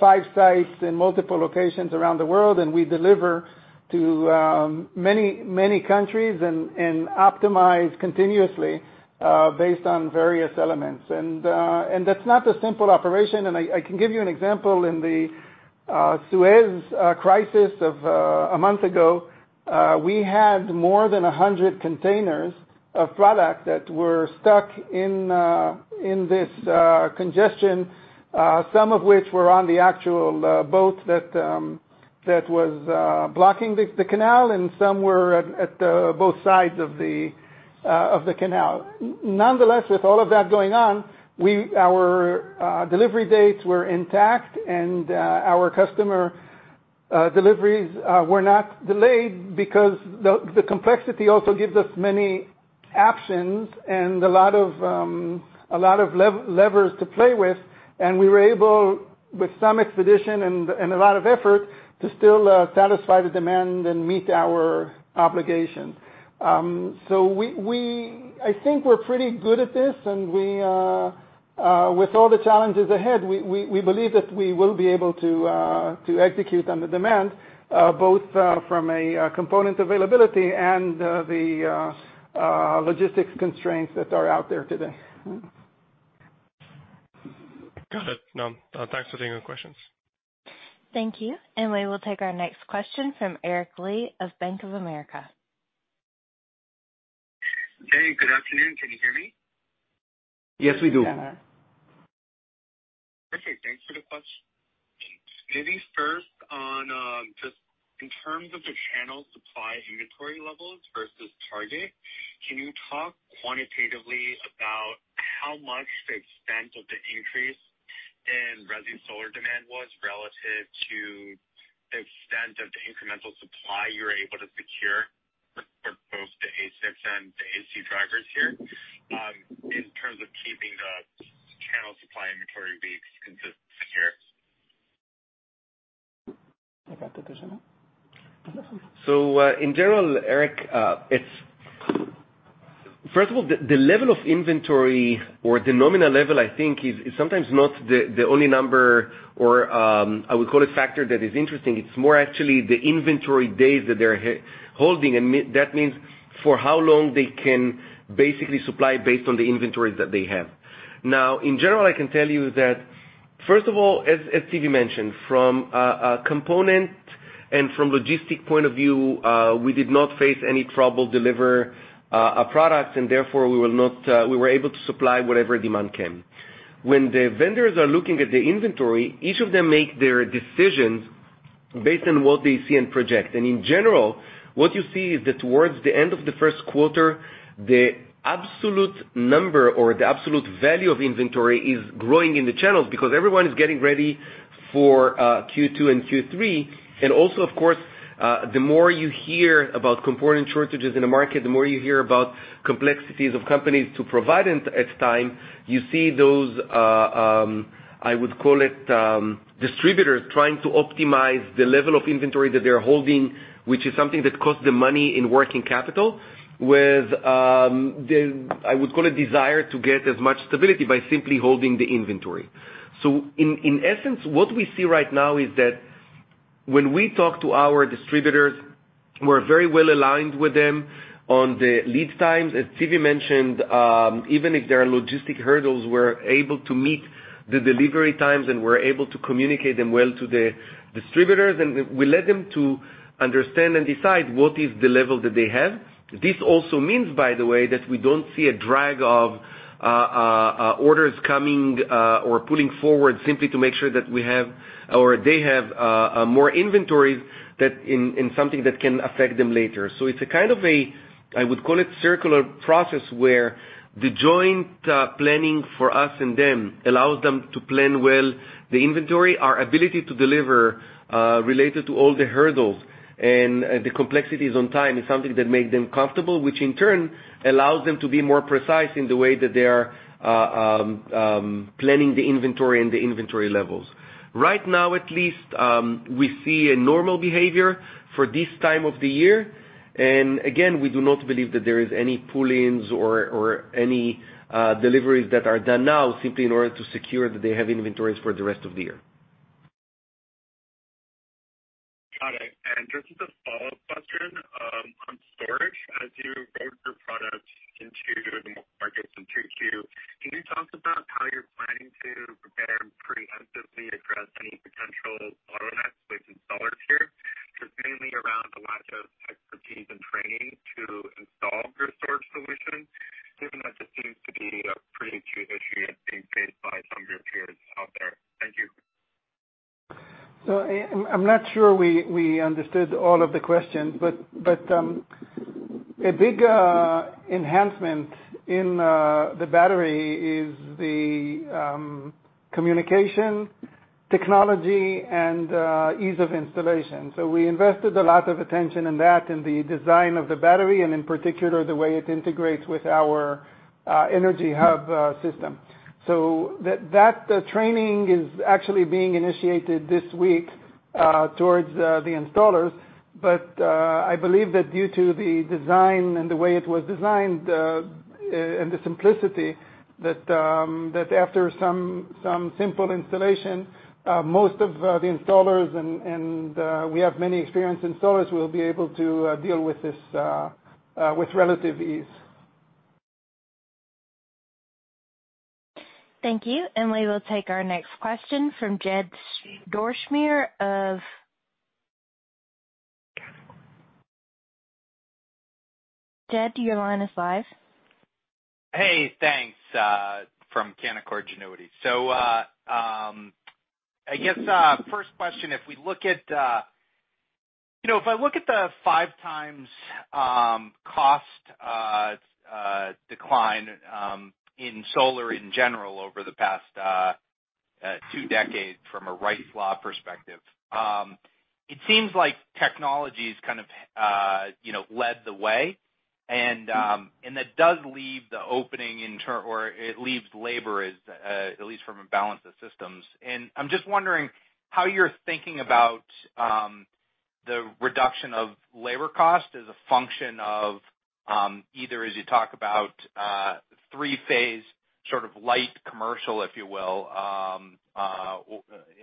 five sites in multiple locations around the world, and we deliver to many countries and optimize continuously, based on various elements. That's not a simple operation, and I can give you an example in the Suez crisis of a month ago. We had more than 100 containers of product that were stuck in this congestion, some of which were on the actual boat that was blocking the canal, and some were at both sides of the canal. Nonetheless, with all of that going on, our delivery dates were intact and our customer deliveries were not delayed because the complexity also gives us many options and a lot of levers to play with, and we were able, with some expedition and a lot of effort, to still satisfy the demand and meet our obligations. I think we're pretty good at this, and With all the challenges ahead, we believe that we will be able to execute on the demand, both from a component availability and the logistics constraints that are out there today. Got it. Thanks for taking the questions. Thank you. We will take our next question from Eric Lee of Bank of America. Hey, good afternoon. Can you hear me? Yes, we do. Yes. Okay. Thanks for the question. Maybe first on just in terms of the channel supply inventory levels versus target, can you talk quantitatively about how much the extent of the increase in resi solar demand was relative to the extent of the incremental supply you're able to secure for both the ASICs and the AC drivers here, in terms of keeping the channel supply inventory being secure? [inaudible] In general, Eric, first of all, the level of inventory or the nominal level, I think, is sometimes not the only number or I would call it factor that is interesting. It's more actually the inventory days that they're holding, and that means for how long they can basically supply based on the inventories that they have. In general, I can tell you that, first of all, as Zvi mentioned, from a component and from logistic point of view, we did not face any trouble deliver our products, and therefore, we were able to supply whatever demand came. When the vendors are looking at the inventory, each of them make their decisions based on what they see and project. In general, what you see is that towards the end of the first quarter, the absolute number or the absolute value of inventory is growing in the channels because everyone is getting ready for Q2 and Q3. Also, of course, the more you hear about component shortages in the market, the more you hear about complexities of companies to provide at time, you see those, I would call it, distributors trying to optimize the level of inventory that they're holding, which is something that costs them money in working capital with, I would call it, desire to get as much stability by simply holding the inventory. In essence, what we see right now is that when we talk to our distributors, we're very well-aligned with them on the lead times. As Zvi mentioned, even if there are logistic hurdles, we're able to meet the delivery times, and we're able to communicate them well to the distributors, and we let them understand and decide what is the level that they have. This also means, by the way, that we don't see a drag of orders coming or pulling forward simply to make sure that we have, or they have more inventories in something that can affect them later. It's a kind of a, I would call it, circular process where the joint planning for us and them allows them to plan well the inventory. Our ability to deliver related to all the hurdles and the complexities on time is something that make them comfortable, which in turn allows them to be more precise in the way that they are planning the inventory and the inventory levels. Right now, at least, we see a normal behavior for this time of the year. Again, we do not believe that there is any pull-ins or any deliveries that are done now simply in order to secure that they have inventories for the rest of the year. Got it. Just as a follow-up question, on storage, as you roll your products into the markets in 2Q, can you talk about how you're planning to prepare and preemptively address any potential bottlenecks with installers here? Because mainly around the lack of expertise and training to install your storage solution, given that this seems to be a pretty key issue being faced by some of your peers out there. Thank you. I'm not sure we understood all of the questions, but a big enhancement in the battery is the communication, technology, and ease of installation. We invested a lot of attention in that, in the design of the battery, and in particular, the way it integrates with our Energy Hub system. That training is actually being initiated this week towards the installers. I believe that due to the design and the way it was designed, and the simplicity, that after some simple installation, most of the installers, and we have many experienced installers, will be able to deal with this with relative ease. Thank you. We will take our next question from Jed Dorsheimer, your line is live. Hey, thanks. From Canaccord Genuity. I guess, first question, if I look at the five times cost decline in solar in general over the past two decades from a Wright's law perspective, it seems like technology's kind of led the way, and that does leave the opening in turn, or it leaves labor, at least from a balance of systems. The reduction of labor cost is a function of either, as you talk about, three-phase sort of light commercial, if you will,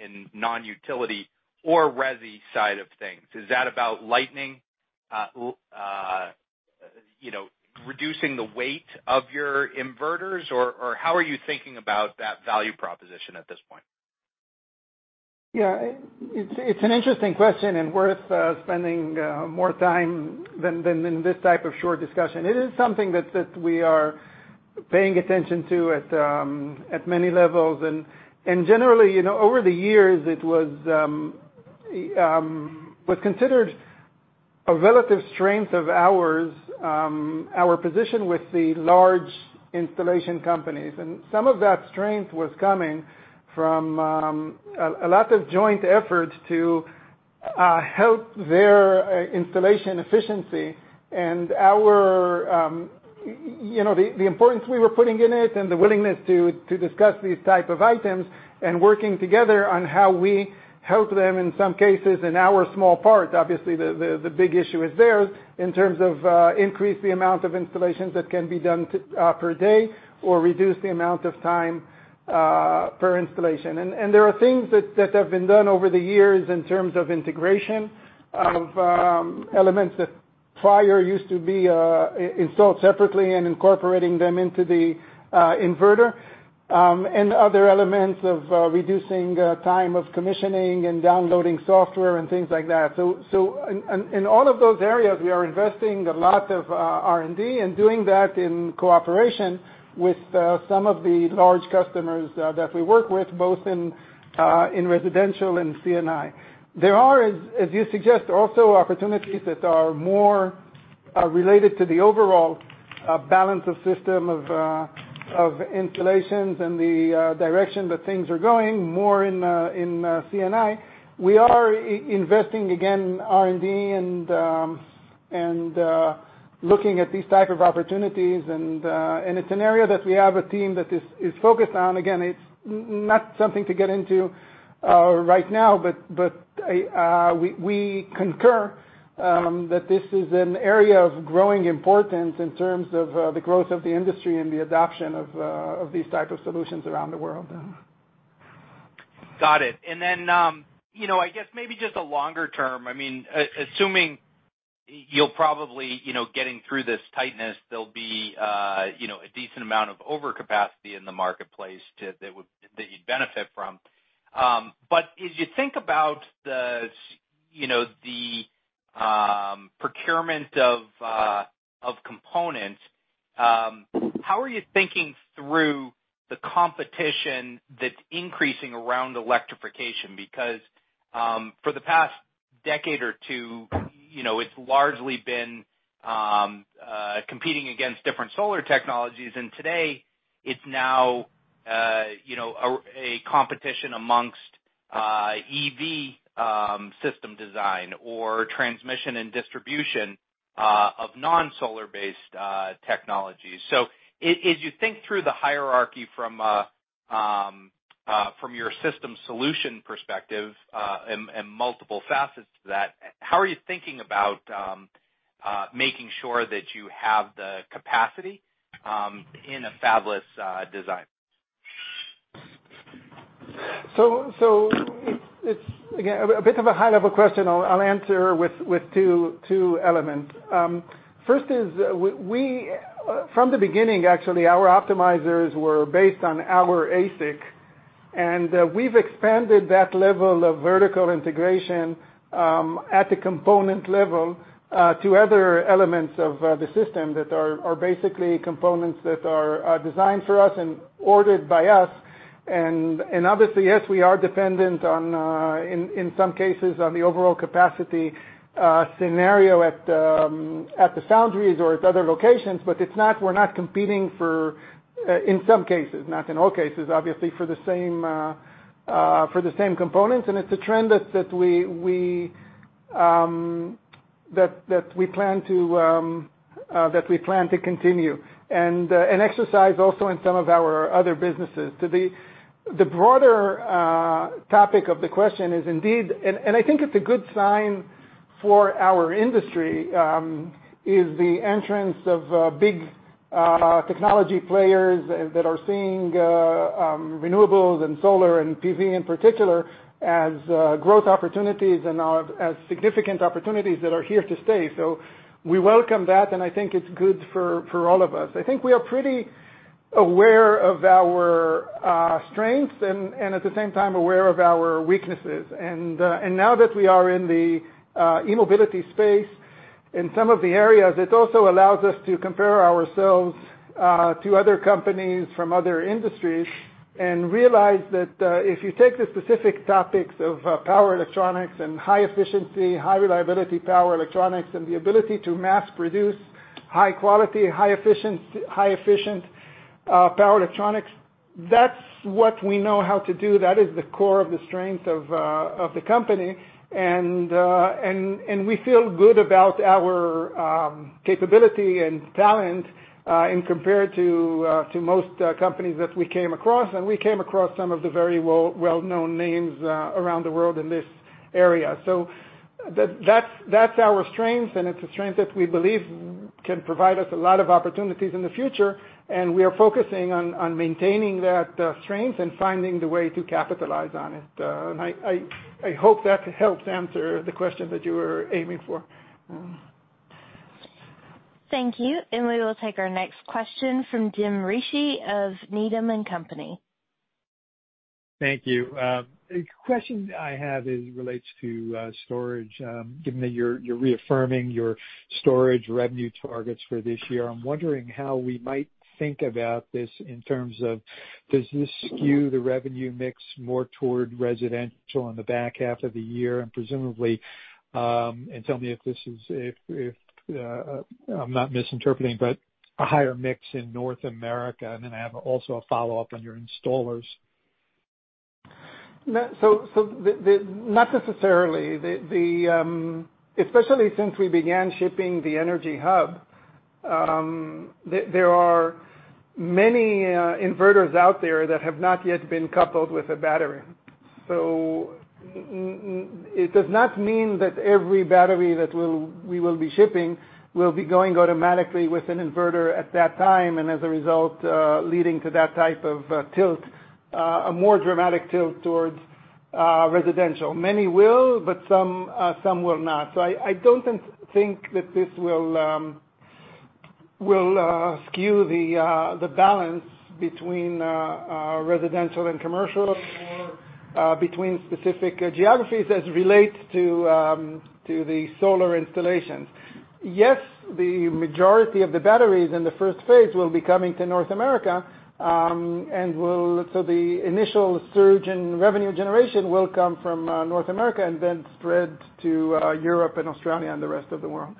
in non-utility or resi side of things. Is that about lightening, reducing the weight of your inverters, or how are you thinking about that value proposition at this point? Yeah. It's an interesting question, and worth spending more time than in this type of short discussion. It is something that we are paying attention to at many levels. Generally, over the years, it was considered a relative strength of ours, our position with the large installation companies. Some of that strength was coming from a lot of joint efforts to help their installation efficiency and the importance we were putting in it and the willingness to discuss these type of items and working together on how we help them, in some cases, in our small part, obviously, the big issue is theirs, in terms of increase the amount of installations that can be done per day or reduce the amount of time per installation. There are things that have been done over the years in terms of integration of elements that prior used to be installed separately and incorporating them into the inverter, and other elements of reducing time of commissioning and downloading software and things like that. In all of those areas, we are investing a lot of R&D and doing that in cooperation with some of the large customers that we work with, both in residential and C&I. There are, as you suggest, also opportunities that are more related to the overall balance of system of installations and the direction that things are going, more in C&I. We are investing, again, R&D and looking at these type of opportunities, and it's an area that we have a team that is focused on. It's not something to get into right now, but we concur that this is an area of growing importance in terms of the growth of the industry and the adoption of these type of solutions around the world. Got it. I guess maybe just a longer term, assuming you'll probably, getting through this tightness, there'll be a decent amount of overcapacity in the marketplace, that you'd benefit from. As you think about the procurement of components, how are you thinking through the competition that's increasing around electrification? Because for the past decade or two, it's largely been competing against different solar technologies, and today it's now a competition amongst EV system design or transmission and distribution of non-solar-based technologies. As you think through the hierarchy from your system solution perspective, and multiple facets to that, how are you thinking about making sure that you have the capacity in a fabless design? It's, again, a bit of a high-level question. I'll answer with two element. First is, from the beginning, actually, our optimizers were based on our ASIC, and we've expanded that level of vertical integration at the component level to other elements of the system that are basically components that are designed for us and ordered by us. Obviously, yes, we are dependent, in some cases, on the overall capacity scenario at the foundries or at other locations, but we're not competing for, in some cases, not in all cases, obviously, for the same components. It's a trend that we plan to continue and exercise also in some of our other businesses. The broader topic of the question is indeed, and I think it's a good sign for our industry, is the entrance of big technology players that are seeing renewables and solar and PV in particular as growth opportunities and as significant opportunities that are here to stay. We welcome that, and I think it's good for all of us. I think we are pretty aware of our strengths and at the same time aware of our weaknesses. Now that we are in the e-mobility space in some of the areas, it also allows us to compare ourselves to other companies from other industries and realize that if you take the specific topics of power electronics and high efficiency, high reliability power electronics, and the ability to mass produce high quality, high efficient power electronics, that's what we know how to do. That is the core of the strength of the company. We feel good about our capability and talent in compared to most companies that we came across, and we came across some of the very well-known names around the world in this area. That's our strength, and it's a strength that Can provide us a lot of opportunities in the future, and we are focusing on maintaining that strength and finding the way to capitalize on it. I hope that helps answer the question that you were aiming for. Thank you. We will take our next question from Jim Ricchiuti of Needham & Company. Thank you. The question I have relates to storage. Given that you're reaffirming your storage revenue targets for this year, I'm wondering how we might think about this in terms of, does this skew the revenue mix more toward residential on the back half of the year? Presumably, and tell me if I'm not misinterpreting, but a higher mix in North America? Then I have also a follow-up on your installers. Not necessarily. Especially since we began shipping the Energy Hub, there are many inverters out there that have not yet been coupled with a battery. It does not mean that every battery that we will be shipping will be going automatically with an inverter at that time, and as a result, leading to that type of tilt, a more dramatic tilt towards residential. Many will, but some will not. I don't think that this will skew the balance between residential and commercial or between specific geographies as it relates to the solar installations. Yes, the majority of the batteries in the first phase will be coming to North America. The initial surge in revenue generation will come from North America and then spread to Europe and Australia and the rest of the world.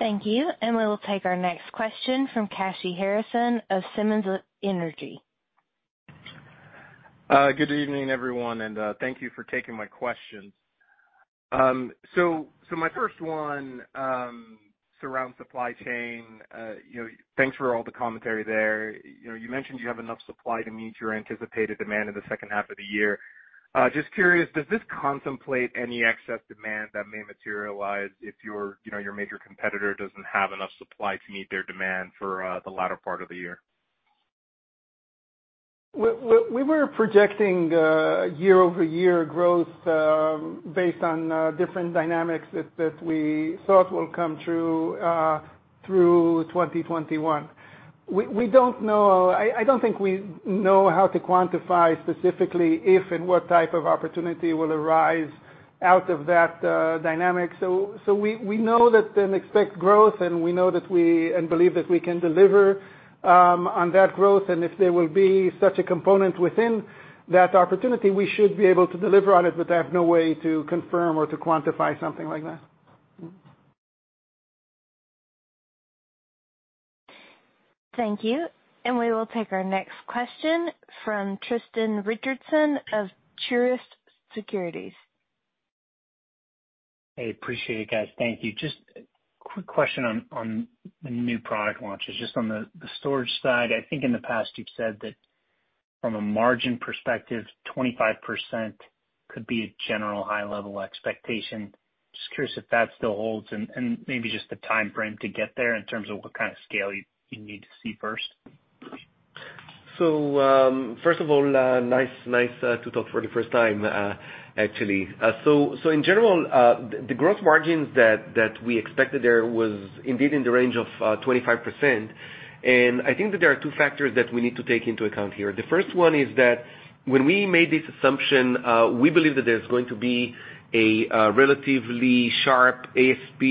Thank you. We will take our next question from Kashy Harrison of Simmons Energy. Good evening, everyone, and thank you for taking my questions. My first one surrounds supply chain. Thanks for all the commentary there. You mentioned you have enough supply to meet your anticipated demand in the second half of the year. Just curious, does this contemplate any excess demand that may materialize if your major competitor doesn't have enough supply to meet their demand for the latter part of the year? We were projecting year-over-year growth based on different dynamics that we thought will come through 2021. We don't know. I don't think we know how to quantify specifically if and what type of opportunity will arise out of that dynamic. We know that and expect growth, and we know that we, and believe that we can deliver on that growth, and if there will be such a component within that opportunity, we should be able to deliver on it, but I have no way to confirm or to quantify something like that. Thank you. We will take our next question from Tristan Richardson of Truist Securities. Hey, appreciate it, guys. Thank you. Just a quick question on the new product launches, just on the storage side. I think in the past you've said that from a margin perspective, 25% could be a general high-level expectation. Just curious if that still holds and maybe just the timeframe to get there in terms of what kind of scale you need to see first. First of all, nice to talk for the first time, actually. In general, the gross margins that we expected there was indeed in the range of 25%, and I think that there are two factors that we need to take into account here. The first one is that when we made this assumption, we believe that there's going to be a relatively sharp ASP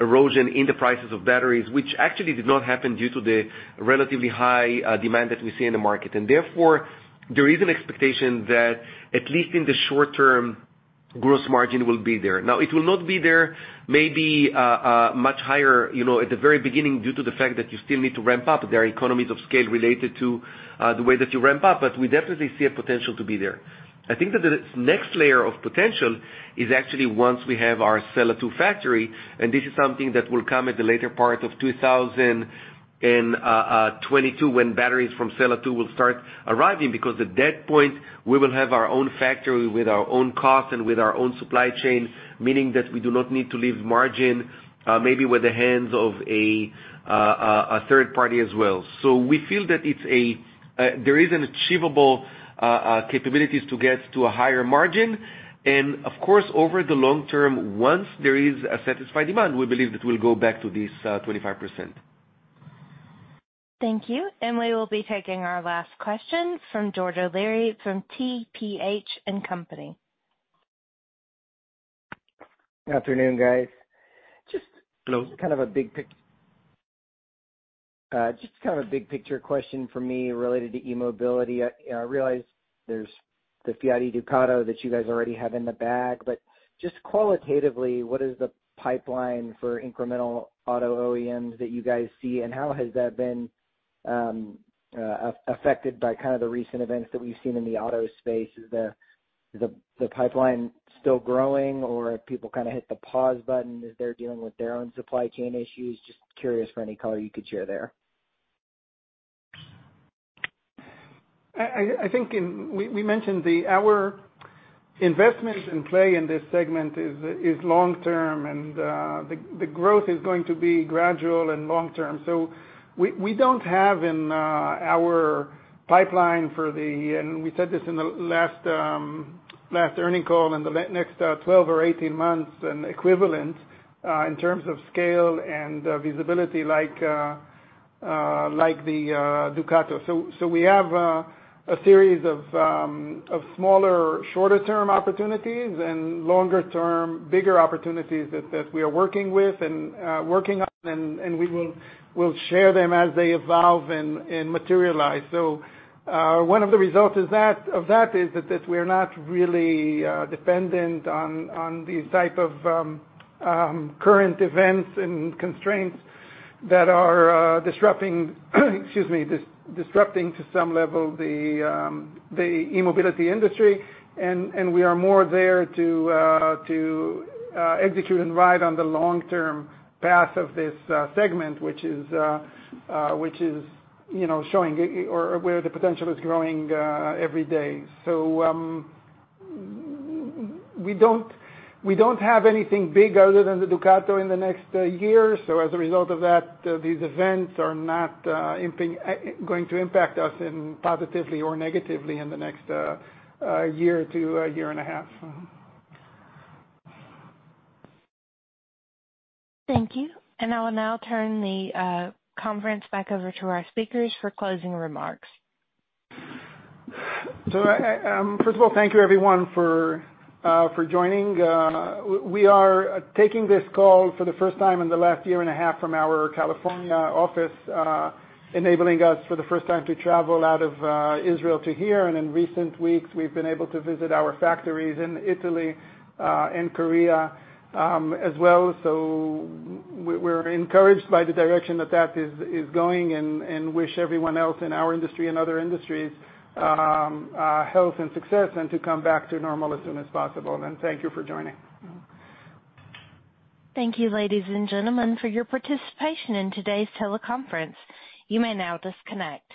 erosion in the prices of batteries, which actually did not happen due to the relatively high demand that we see in the market. Therefore, there is an expectation that at least in the short term, gross margin will be there. It will not be there, maybe much higher at the very beginning due to the fact that you still need to ramp up. There are economies of scale related to the way that you ramp up. We definitely see a potential to be there. I think that the next layer of potential is actually once we have our Sella 2 factory. This is something that will come at the later part of 2022 when batteries from Sella 2 will start arriving. At that point we will have our own factory with our own cost and with our own supply chain. Meaning that we do not need to leave margin, maybe with the hands of a third party as well. We feel that there is an achievable capabilities to get to a higher margin. Of course, over the long term, once there is a satisfied demand, we believe that we'll go back to this 25%. Thank you. We will be taking our last question from George O'Leary from TPH & Co.. Good afternoon, guys. Hello. Just kind of a big picture question from me related to e-mobility. I realize there's the Fiat E-Ducato that you guys already have in the bag, just qualitatively, what is the pipeline for incremental auto OEMs that you guys see, how has that been affected by kind of the recent events that we've seen in the auto space? Is the pipeline still growing, or have people kind of hit the pause button as they're dealing with their own supply chain issues? Just curious for any color you could share there. I think we mentioned our investments in play in this segment is long-term, and the growth is going to be gradual and long-term. We don't have in our pipeline for the, and we said this in the last earnings call, in the next 12 or 18 months, an equivalent, in terms of scale and visibility like the E-Ducato. We have a series of smaller, shorter-term opportunities and longer-term, bigger opportunities that we are working with and working on, and we will share them as they evolve and materialize. One of the results of that is that we're not really dependent on these type of current events and constraints that are disrupting to some level the e-mobility industry. We are more there to execute and ride on the long-term path of this segment, where the potential is growing every day. We don't have anything big other than the E-Ducato in the next year. As a result of that, these events are not going to impact us positively or negatively in the next year to a year and a half. Thank you. I will now turn the conference back over to our speakers for closing remarks. First of all, thank you everyone for joining. We are taking this call for the first time in the last year and a half from our California office, enabling us for the first time to travel out of Israel to here. In recent weeks, we've been able to visit our factories in Italy and South Korea as well. We're encouraged by the direction that that is going and wish everyone else in our industry and other industries, health and success, and to come back to normal as soon as possible. Thank you for joining. Thank you, ladies and gentlemen, for your participation in today's teleconference. You may now disconnect.